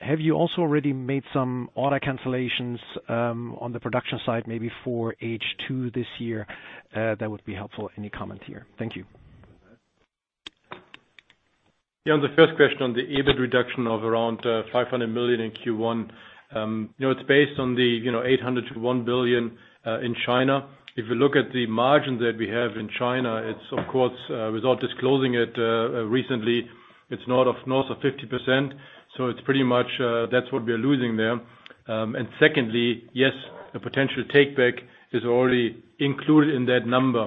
have you also already made some order cancellations on the production side, maybe for H2 this year? That would be helpful, any comment here. Thank you. On the first question, on the EBIT reduction of around 500 million in Q1. It's based on the 800 million to 1 billion in China. If you look at the margin that we have in China, it's of course, with all disclosing it recently, it's north of 50%, so it's pretty much that's what we are losing there. Secondly, yes, a potential takeback is already included in that number.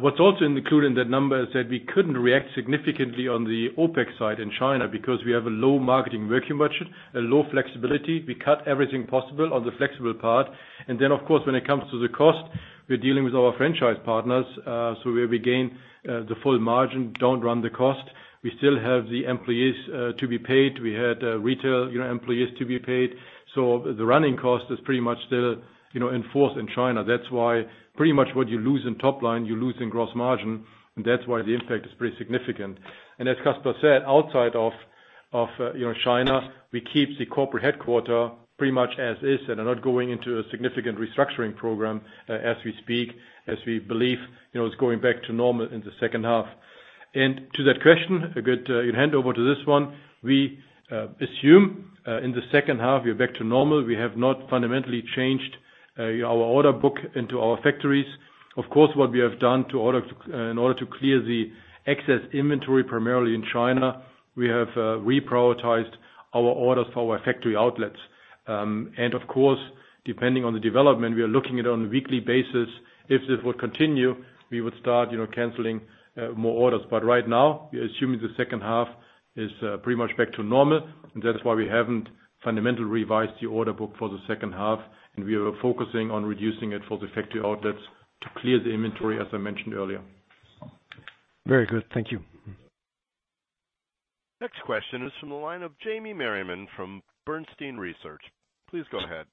What's also included in that number is that we couldn't react significantly on the OpEx side in China because we have a low marketing working budget, a low flexibility. We cut everything possible on the flexible part. Of course, when it comes to the cost, we're dealing with our franchise partners. Where we gain the full margin, don't run the cost. We still have the employees to be paid. We had retail employees to be paid. The running cost is pretty much still in force in China. That is why pretty much what you lose in top line, you lose in gross margin, and that is why the impact is pretty significant. As Kasper said, outside of China, we keep the corporate headquarter pretty much as is and are not going into a significant restructuring program as we speak, as we believe it is going back to normal in the second half. To that question, a good hand over to this one. We assume in the second half we are back to normal. We have not fundamentally changed our order book into our factories. Of course, what we have done in order to clear the excess inventory, primarily in China, we have reprioritized our orders for our factory outlets. Of course, depending on the development, we are looking at it on a weekly basis. If this would continue, we would start canceling more orders. Right now, we are assuming the second half is pretty much back to normal, and that is why we haven't fundamentally revised the order book for the second half, and we are focusing on reducing it for the factory outlets to clear the inventory, as I mentioned earlier. Very good. Thank you. Next question is from the line of Jamie Merriman from Bernstein Research. Please go ahead.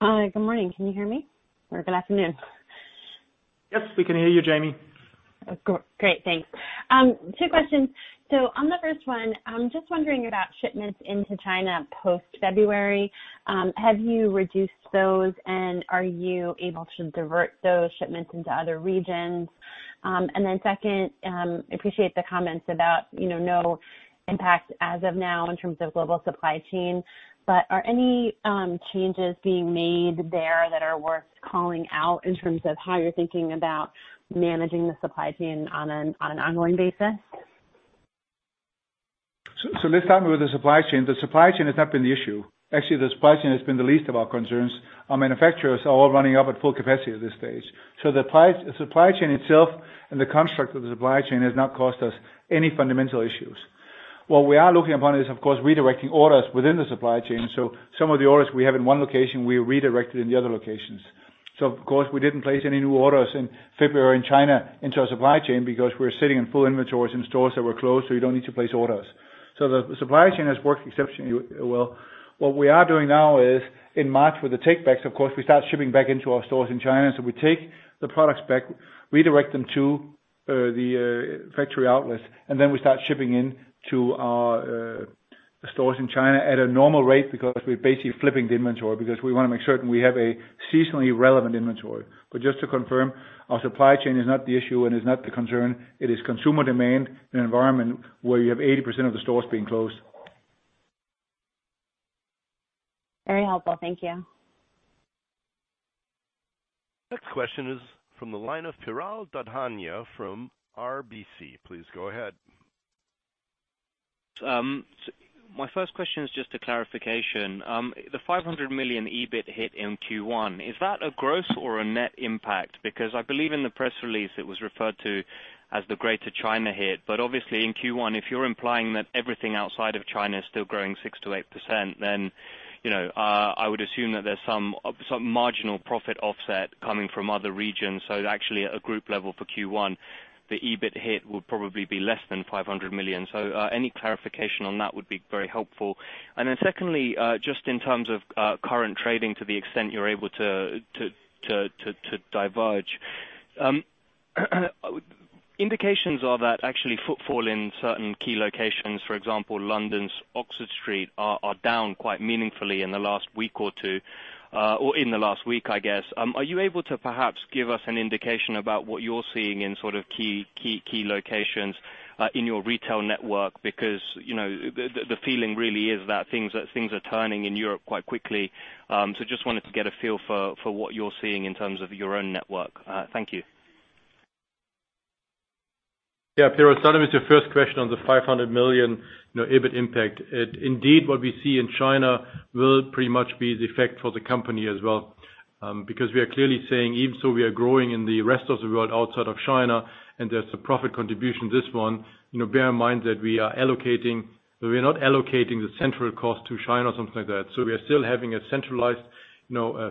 Hi. Good morning. Can you hear me? Or good afternoon. Yes, we can hear you, Jamie. Great, thanks. Two questions. On the first one, I'm just wondering about shipments into China post-February. Have you reduced those, and are you able to divert those shipments into other regions? Second, appreciate the comments about no impact as of now in terms of global supply chain, but are any changes being made there that are worth calling out in terms of how you're thinking about managing the supply chain on an ongoing basis? Let's start with the supply chain. The supply chain has not been the issue. Actually, the supply chain has been the least of our concerns. Our manufacturers are all running up at full capacity at this stage. The supply chain itself and the construct of the supply chain has not cost us any fundamental issues. What we are looking upon is, of course, redirecting orders within the supply chain. Some of the orders we have in one location, we redirected in the other locations. Of course, we didn't place any new orders in February in China into our supply chain because we were sitting in full inventories in stores that were closed, so you don't need to place orders. The supply chain has worked exceptionally well. What we are doing now is in March with the takebacks, of course, we start shipping back into our stores in China. We take the products back, redirect them to the factory outlets, and then we start shipping in to our stores in China at a normal rate because we're basically flipping the inventory because we want to make certain we have a seasonally relevant inventory. Just to confirm, our supply chain is not the issue and is not the concern. It is consumer demand in an environment where you have 80% of the stores being closed. Very helpful. Thank you. Next question is from the line of Piral Dadhania from RBC. Please go ahead. My first question is just a clarification. The 500 million EBIT hit in Q1, is that a gross or a net impact? I believe in the press release it was referred to as the greater China hit. Obviously in Q1, if you're implying that everything outside of China is still growing 6%-8%, I would assume that there's some marginal profit offset coming from other regions. Actually at a group level for Q1, the EBIT hit would probably be less than 500 million. Any clarification on that would be very helpful. Secondly, just in terms of current trading to the extent you're able to diverge. Indications are that actually footfall in certain key locations, for example, London's Oxford Street, are down quite meaningfully in the last week or two or in the last week, I guess. Are you able to perhaps give us an indication about what you're seeing in key locations in your retail network? The feeling really is that things are turning in Europe quite quickly. Just wanted to get a feel for what you're seeing in terms of your own network. Thank you. Yeah. Piral, starting with your first question on the 500 million EBIT impact. Indeed, what we see in China will pretty much be the effect for the company as well. We are clearly saying even so we are growing in the rest of the world outside of China, and there's a profit contribution, this one, bear in mind that we are not allocating the central cost to China or something like that. We are still having a centralized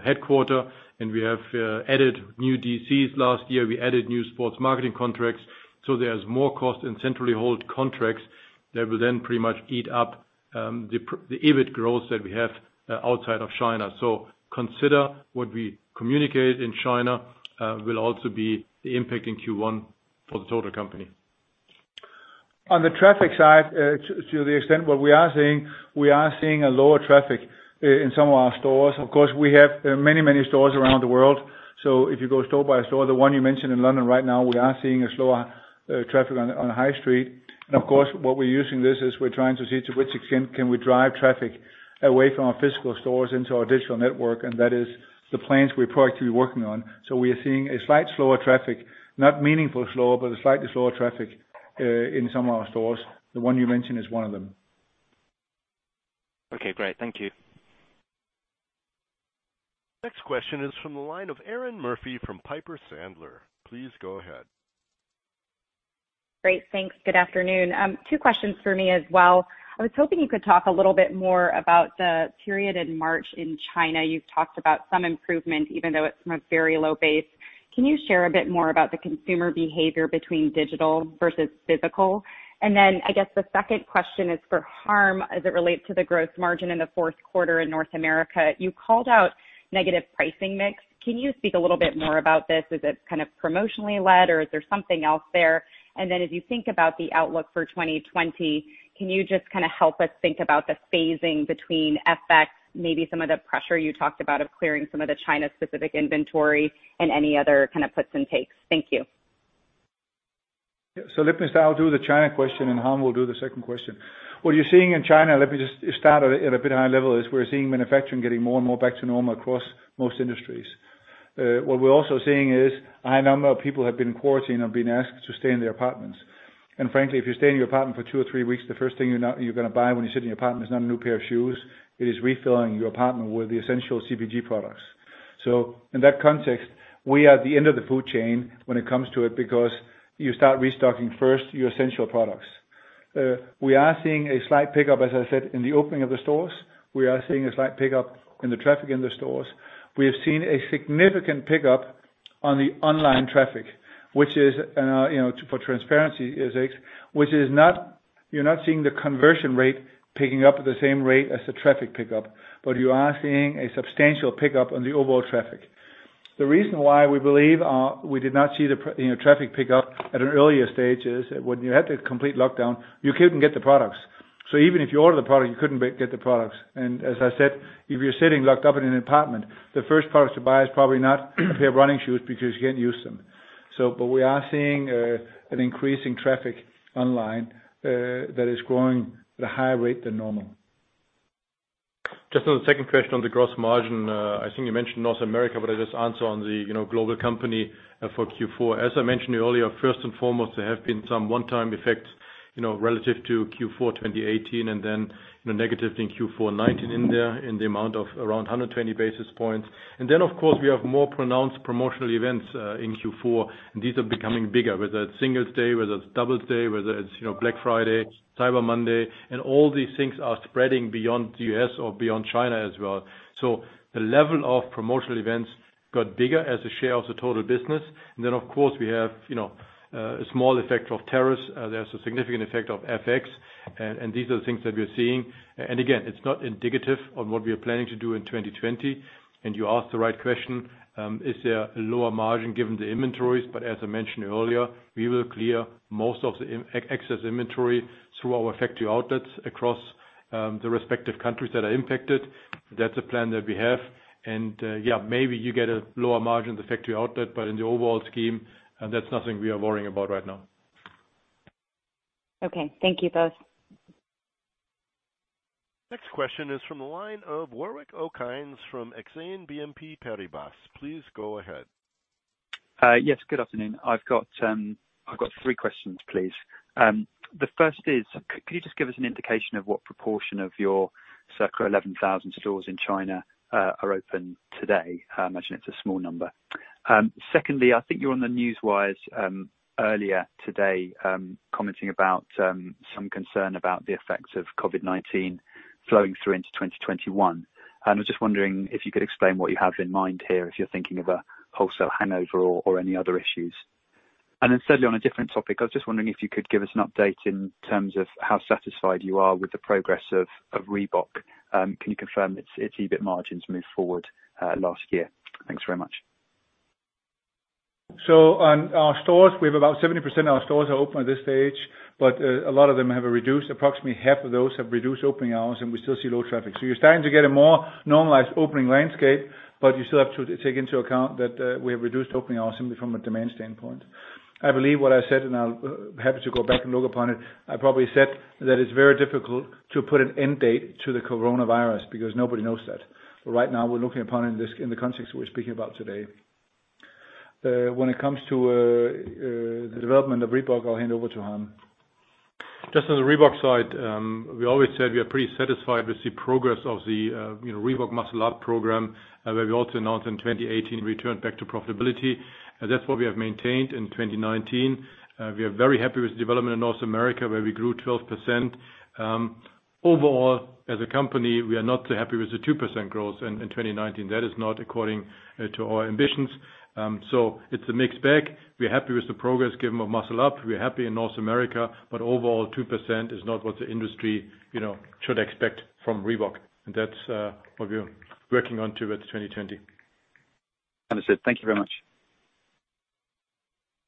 headquarters, and we have added new DCs last year, we added new sports marketing contracts. There's more cost in centrally held contracts that will then pretty much eat up the EBIT growth that we have outside of China. Consider what we communicate in China will also be the impact in Q1 for the total company. On the traffic side, to the extent, what we are seeing, we are seeing a lower traffic in some of our stores. Of course, we have many stores around the world. If you go store by store, the one you mentioned in London right now, we are seeing a slower traffic on the high street. Of course, what we're using this is we're trying to see to which extent can we drive traffic away from our physical stores into our digital network, and that is the plans we're proactively working on. We are seeing a slight slower traffic, not meaningful slower, but a slightly slower traffic in some of our stores. The one you mentioned is one of them. Okay, great. Thank you. Next question is from the line of Erinn Murphy from Piper Sandler. Please go ahead. Great. Thanks. Good afternoon. Two questions for me as well. I was hoping you could talk a little bit more about the period in March in China. You've talked about some improvement, even though it's from a very low base. Can you share a bit more about the consumer behavior between digital versus physical? I guess the second question is for Harm, as it relates to the gross margin in the fourth quarter in North America. You called out negative pricing mix. Can you speak a little bit more about this? Is it kind of promotionally led, or is there something else there? As you think about the outlook for 2020, can you just kind of help us think about the phasing between FX, maybe some of the pressure you talked about of clearing some of the China-specific inventory, and any other kind of puts and takes? Thank you. Let me start. I'll do the China question, and Harm will do the second question. What you're seeing in China, let me just start at a bit high level, is we're seeing manufacturing getting more and more back to normal across most industries. What we're also seeing is a high number of people have been quarantined or been asked to stay in their apartments. Frankly, if you stay in your apartment for two or three weeks, the first thing you're going to buy when you sit in your apartment is not a new pair of shoes. It is refilling your apartment with the essential CPG products. In that context, we are at the end of the food chain when it comes to it because you start restocking first your essential products. We are seeing a slight pickup, as I said, in the opening of the stores. We are seeing a slight pickup in the traffic in the stores. We have seen a significant pickup on the online traffic, for transparency is it's, which you're not seeing the conversion rate picking up at the same rate as the traffic pickup, but you are seeing a substantial pickup on the overall traffic. The reason why we believe we did not see the traffic pickup at an earlier stage is when you had the complete lockdown, you couldn't get the products. Even if you order the product, you couldn't get the products. As I said, if you're sitting locked up in an apartment, the first product to buy is probably not a pair of running shoes because you can't use them. We are seeing an increase in traffic online that is growing at a higher rate than normal. Just on the second question on the gross margin. I think you mentioned North America. I'll just answer on the global company for Q4. As I mentioned to you earlier, first and foremost, there have been some one-time effects relative to Q4 2018, negative in Q4 2019 in there in the amount of around 120 basis points. Of course, we have more pronounced promotional events in Q4, and these are becoming bigger, whether it's Singles' Day, whether it's Double 12, whether it's Black Friday, Cyber Monday. All these things are spreading beyond the U.S. or beyond China as well. The level of promotional events got bigger as a share of the total business. Of course, we have a small effect of tariffs. There's a significant effect of FX. These are things that we're seeing. Again, it's not indicative of what we are planning to do in 2020. You asked the right question, is there a lower margin given the inventories? As I mentioned earlier, we will clear most of the excess inventory through our factory outlets across the respective countries that are impacted. That's a plan that we have. Yeah, maybe you get a lower margin in the factory outlet, but in the overall scheme, that's nothing we are worrying about right now. Okay. Thank you both. Next question is from the line of Warwick Okines from Exane BNP Paribas. Please go ahead. Yes, good afternoon. I've got three questions, please. The first is, could you just give us an indication of what proportion of your circa 11,000 stores in China are open today? I imagine it's a small number. Secondly, I think you were on the Newswire earlier today, commenting about some concern about the effects of COVID-19 flowing through into 2021. I was just wondering if you could explain what you have in mind here, if you're thinking of a wholesale hangover or any other issues. Thirdly, on a different topic, I was just wondering if you could give us an update in terms of how satisfied you are with the progress of Reebok. Can you confirm its EBIT margins moved forward last year? Thanks very much. On our stores, we have about 70% of our stores are open at this stage, but a lot of them have a reduced, approximately half of those have reduced opening hours, and we still see low traffic. You're starting to get a more normalized opening landscape, but you still have to take into account that we have reduced opening hours simply from a demand standpoint. I believe what I said, and I'll be happy to go back and look upon it, I probably said that it's very difficult to put an end date to the coronavirus because nobody knows that. Right now, we're looking upon it in the context we're speaking about today. When it comes to the development of Reebok, I'll hand over to Harm. On the Reebok side, we always said we are pretty satisfied with the progress of the Reebok Muscle Up program, where we also announced in 2018 we returned back to profitability. That's what we have maintained in 2019. We are very happy with the development in North America where we grew 12%. Overall as a company, we are not too happy with the 2% growth in 2019. That is not according to our ambitions. It's a mixed bag. We're happy with the progress given of Muscle Up. We're happy in North America, overall, 2% is not what the industry should expect from Reebok. That's what we're working on towards 2020. Understood. Thank you very much.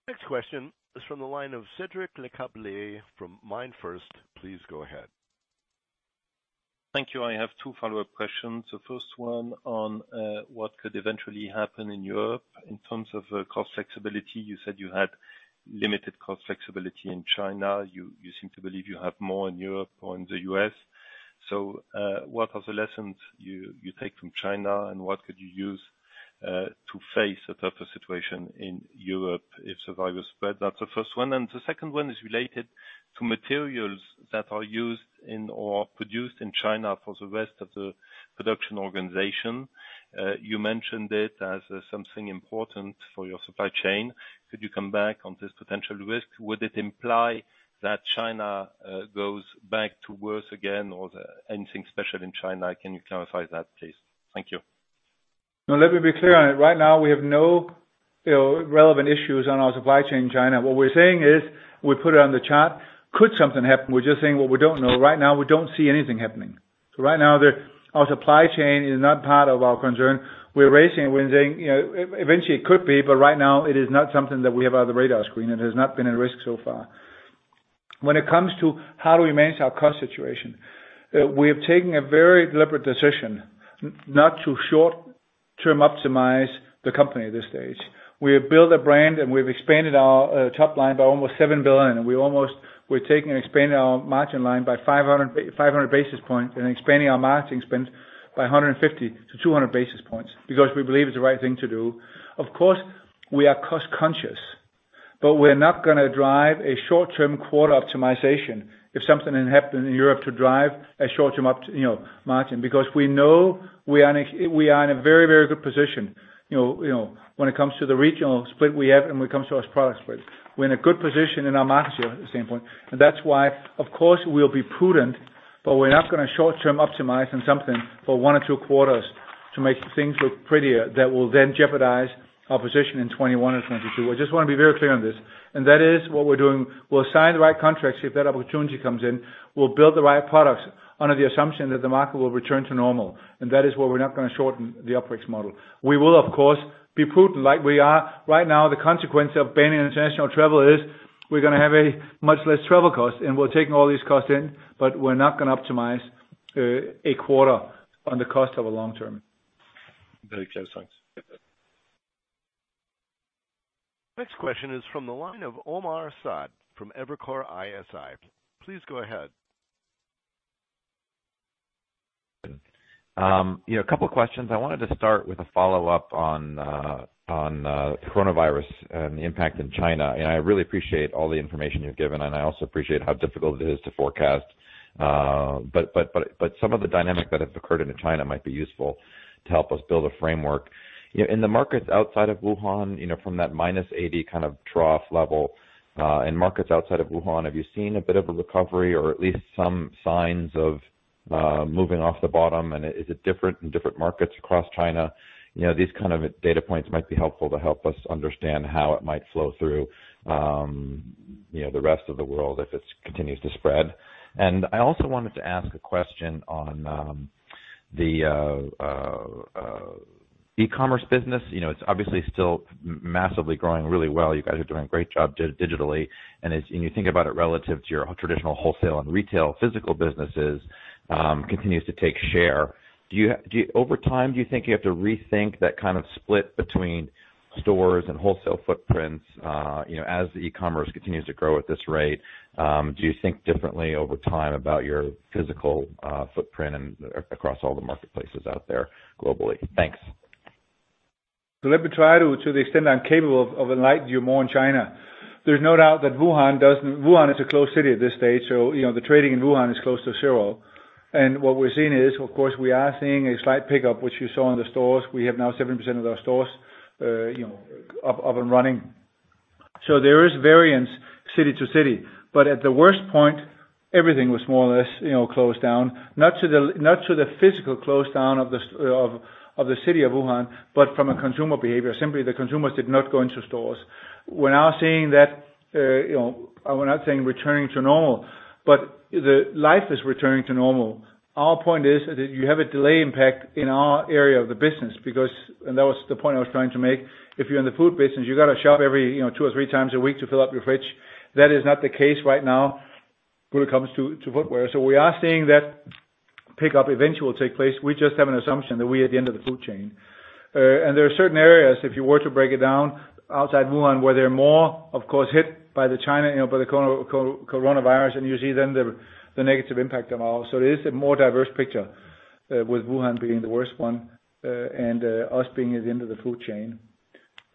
Next question is from the line of Cédric Lecasble from MainFirst. Please go ahead. Thank you. I have two follow-up questions. The first one on what could eventually happen in Europe in terms of cost flexibility. You said you had limited cost flexibility in China. You seem to believe you have more in Europe or in the U.S. What are the lessons you take from China, and what could you use to face a tougher situation in Europe if the coronavirus spread? That's the first one. The second one is related to materials that are used in or produced in China for the rest of the production organization. You mentioned it as something important for your supply chain. Could you come back on this potential risk? Would it imply that China goes back to worse again or anything special in China? Can you clarify that, please? Thank you. No, let me be clear on it. Right now we have no relevant issues on our supply chain in China. What we're saying is, we put it on the chart, could something happen? We're just saying what we don't know. Right now, we don't see anything happening. Right now, our supply chain is not part of our concern. We're raising it, we're saying, eventually it could be, but right now it is not something that we have on the radar screen. It has not been a risk so far. When it comes to how do we manage our cost situation, we have taken a very deliberate decision not to short-term optimize the company at this stage. We have built a brand, and we've expanded our top line by almost 7 billion, and we're taking and expanding our margin line by 500 basis points and expanding our marketing spend by 150-200 basis points because we believe it's the right thing to do. Of course, we are cost conscious, but we're not going to drive a short-term quarter optimization if something had happened in Europe to drive a short-term margin because we know we are in a very good position, when it comes to the regional split we have and when it comes to our product split. We're in a good position in our market share at this same point. That's why, of course, we'll be prudent. We're not going to short-term optimize on something for one or two quarters to make things look prettier that will then jeopardize our position in 2021 or 2022. I just want to be very clear on this. That is what we're doing. We'll sign the right contracts if that opportunity comes in. We'll build the right products under the assumption that the market will return to normal. That is where we're not going to shorten the operating model. We will, of course, be prudent like we are. Right now, the consequence of banning international travel is we're going to have a much less travel cost. We're taking all these costs in. We're not going to optimize a quarter on the cost of a long-term. Very clear. Thanks. Next question is from the line of Omar Saad from Evercore ISI. Please go ahead. A couple of questions. I wanted to start with a follow-up on coronavirus and the impact in China. I really appreciate all the information you've given, and I also appreciate how difficult it is to forecast. Some of the dynamics that have occurred in China might be useful to help us build a framework. In the markets outside of Wuhan, from that -80 kind of trough level, in markets outside of Wuhan, have you seen a bit of a recovery or at least some signs of moving off the bottom? Is it different in different markets across China? These kind of data points might be helpful to help us understand how it might flow through the rest of the world if it continues to spread. I also wanted to ask a question on the e-commerce business. It's obviously still massively growing really well. You guys are doing a great job digitally, and as you think about it relative to your traditional wholesale and retail physical businesses, continues to take share. Over time, do you think you have to rethink that kind of split between stores and wholesale footprints? As the e-commerce continues to grow at this rate, do you think differently over time about your physical footprint and across all the marketplaces out there globally? Thanks. Let me try to the extent I'm capable of enlighten you more on China. There's no doubt that Wuhan is a closed city at this stage, so the trading in Wuhan is close to zero. What we're seeing is, of course, we are seeing a slight pickup, which you saw in the stores. We have now 70% of our stores up and running. There is variance city to city, but at the worst point, everything was more or less closed down. Not to the physical closed down of the city of Wuhan, but from a consumer behavior. Simply, the consumers did not go into stores. We're now seeing that, I would not say returning to normal, but the life is returning to normal. Our point is that you have a delay impact in our area of the business because, and that was the point I was trying to make. If you're in the food business, you got to shop every two or three times a week to fill up your fridge. That is not the case right now when it comes to footwear. We are seeing that pickup eventually will take place. We just have an assumption that we are at the end of the food chain. There are certain areas, if you were to break it down outside Wuhan, where they're more, of course, hit by the coronavirus, and you see then the negative impact of all. It is a more diverse picture. With Wuhan being the worst one, and us being at the end of the food chain.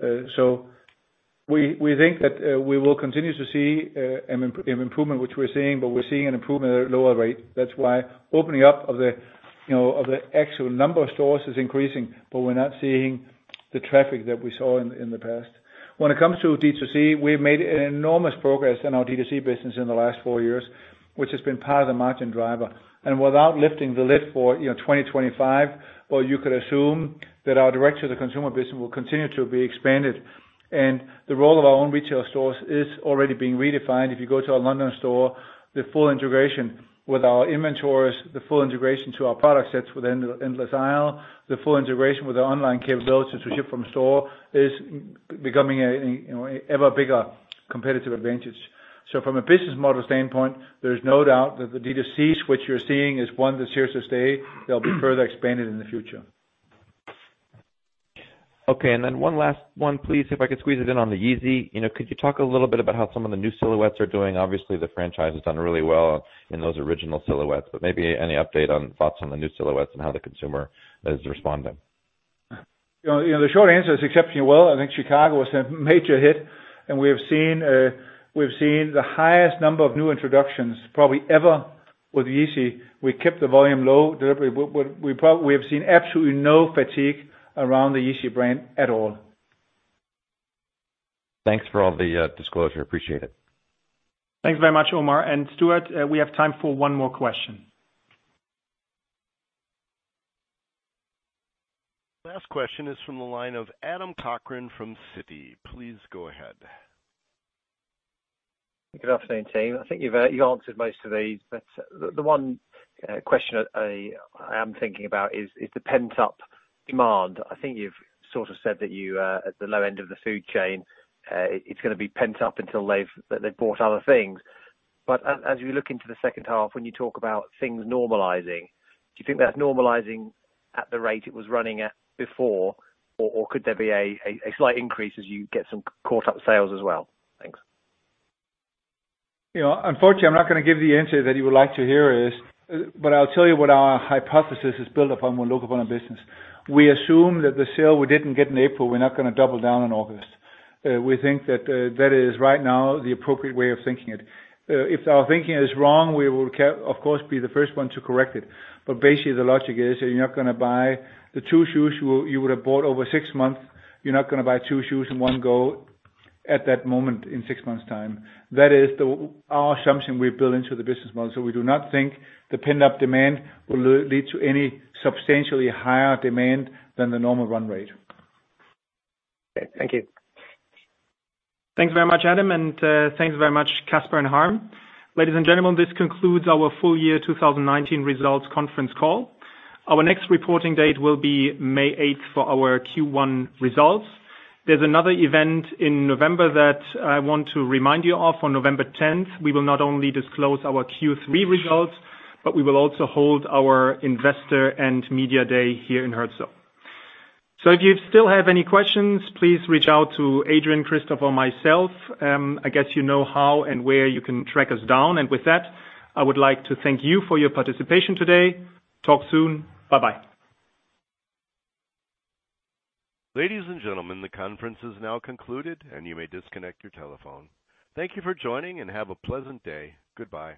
We think that we will continue to see an improvement, which we're seeing, but we're seeing an improvement at a lower rate. That's why opening up of the actual number of stores is increasing, but we're not seeing the traffic that we saw in the past. When it comes to D2C, we've made enormous progress in our D2C business in the last four years, which has been part of the margin driver. Without lifting the lid for 2025, but you could assume that our direct to the consumer business will continue to be expanded. The role of our own retail stores is already being redefined. If you go to our London store, the full integration with our inventories, the full integration to our product sets with endless aisle, the full integration with our online capabilities to ship from store is becoming an ever bigger competitive advantage. From a business model standpoint, there's no doubt that the D2C, which you're seeing, is one that's here to stay. They'll be further expanded in the future. Okay, one last one, please, if I could squeeze it in on the Yeezy. Could you talk a little bit about how some of the new silhouettes are doing? Obviously, the franchise has done really well in those original silhouettes, maybe any update on thoughts on the new silhouettes and how the consumer is responding? The short answer is exceptionally well. I think Chicago was a major hit, and we have seen the highest number of new introductions probably ever with Yeezy. We kept the volume low deliberately. We have seen absolutely no fatigue around the Yeezy brand at all. Thanks for all the disclosure. Appreciate it. Thanks very much, Omar. Stuart, we have time for one more question. Last question is from the line of Adam Cochrane from Citi. Please go ahead. Good afternoon, team. I think you've answered most of these. The one question I am thinking about is the pent-up demand. I think you've sort of said that you are at the low end of the food chain. It's going to be pent up until they've bought other things. As we look into the second half, when you talk about things normalizing, do you think that's normalizing at the rate it was running at before? Could there be a slight increase as you get some caught-up sales as well? Thanks. Unfortunately, I'm not going to give the answer that you would like to hear is, but I'll tell you what our hypothesis is built upon when we look upon our business. We assume that the sale we didn't get in April, we're not going to double down in August. We think that that is right now the appropriate way of thinking it. If our thinking is wrong, we will of course, be the first one to correct it. Basically, the logic is that you're not going to buy the two shoes you would have bought over six months, you're not going to buy two shoes in one go at that moment, in six months' time. That is our assumption we build into the business model. We do not think the pent-up demand will lead to any substantially higher demand than the normal run rate. Okay. Thank you. Thanks very much, Adam, and thanks very much, Kasper and Harm. Ladies and gentlemen, this concludes our full year 2019 results conference call. Our next reporting date will be May 8th for our Q1 results. There is another event in November that I want to remind you of. On November 10th, we will not only disclose our Q3 results, but we will also hold our investor and media day here in Herzog. If you still have any questions, please reach out to Adrian, Christopher, or myself. I guess you know how and where you can track us down. With that, I would like to thank you for your participation today. Talk soon. Bye-bye. Ladies and gentlemen, the conference is now concluded, and you may disconnect your telephone. Thank you for joining, and have a pleasant day. Goodbye.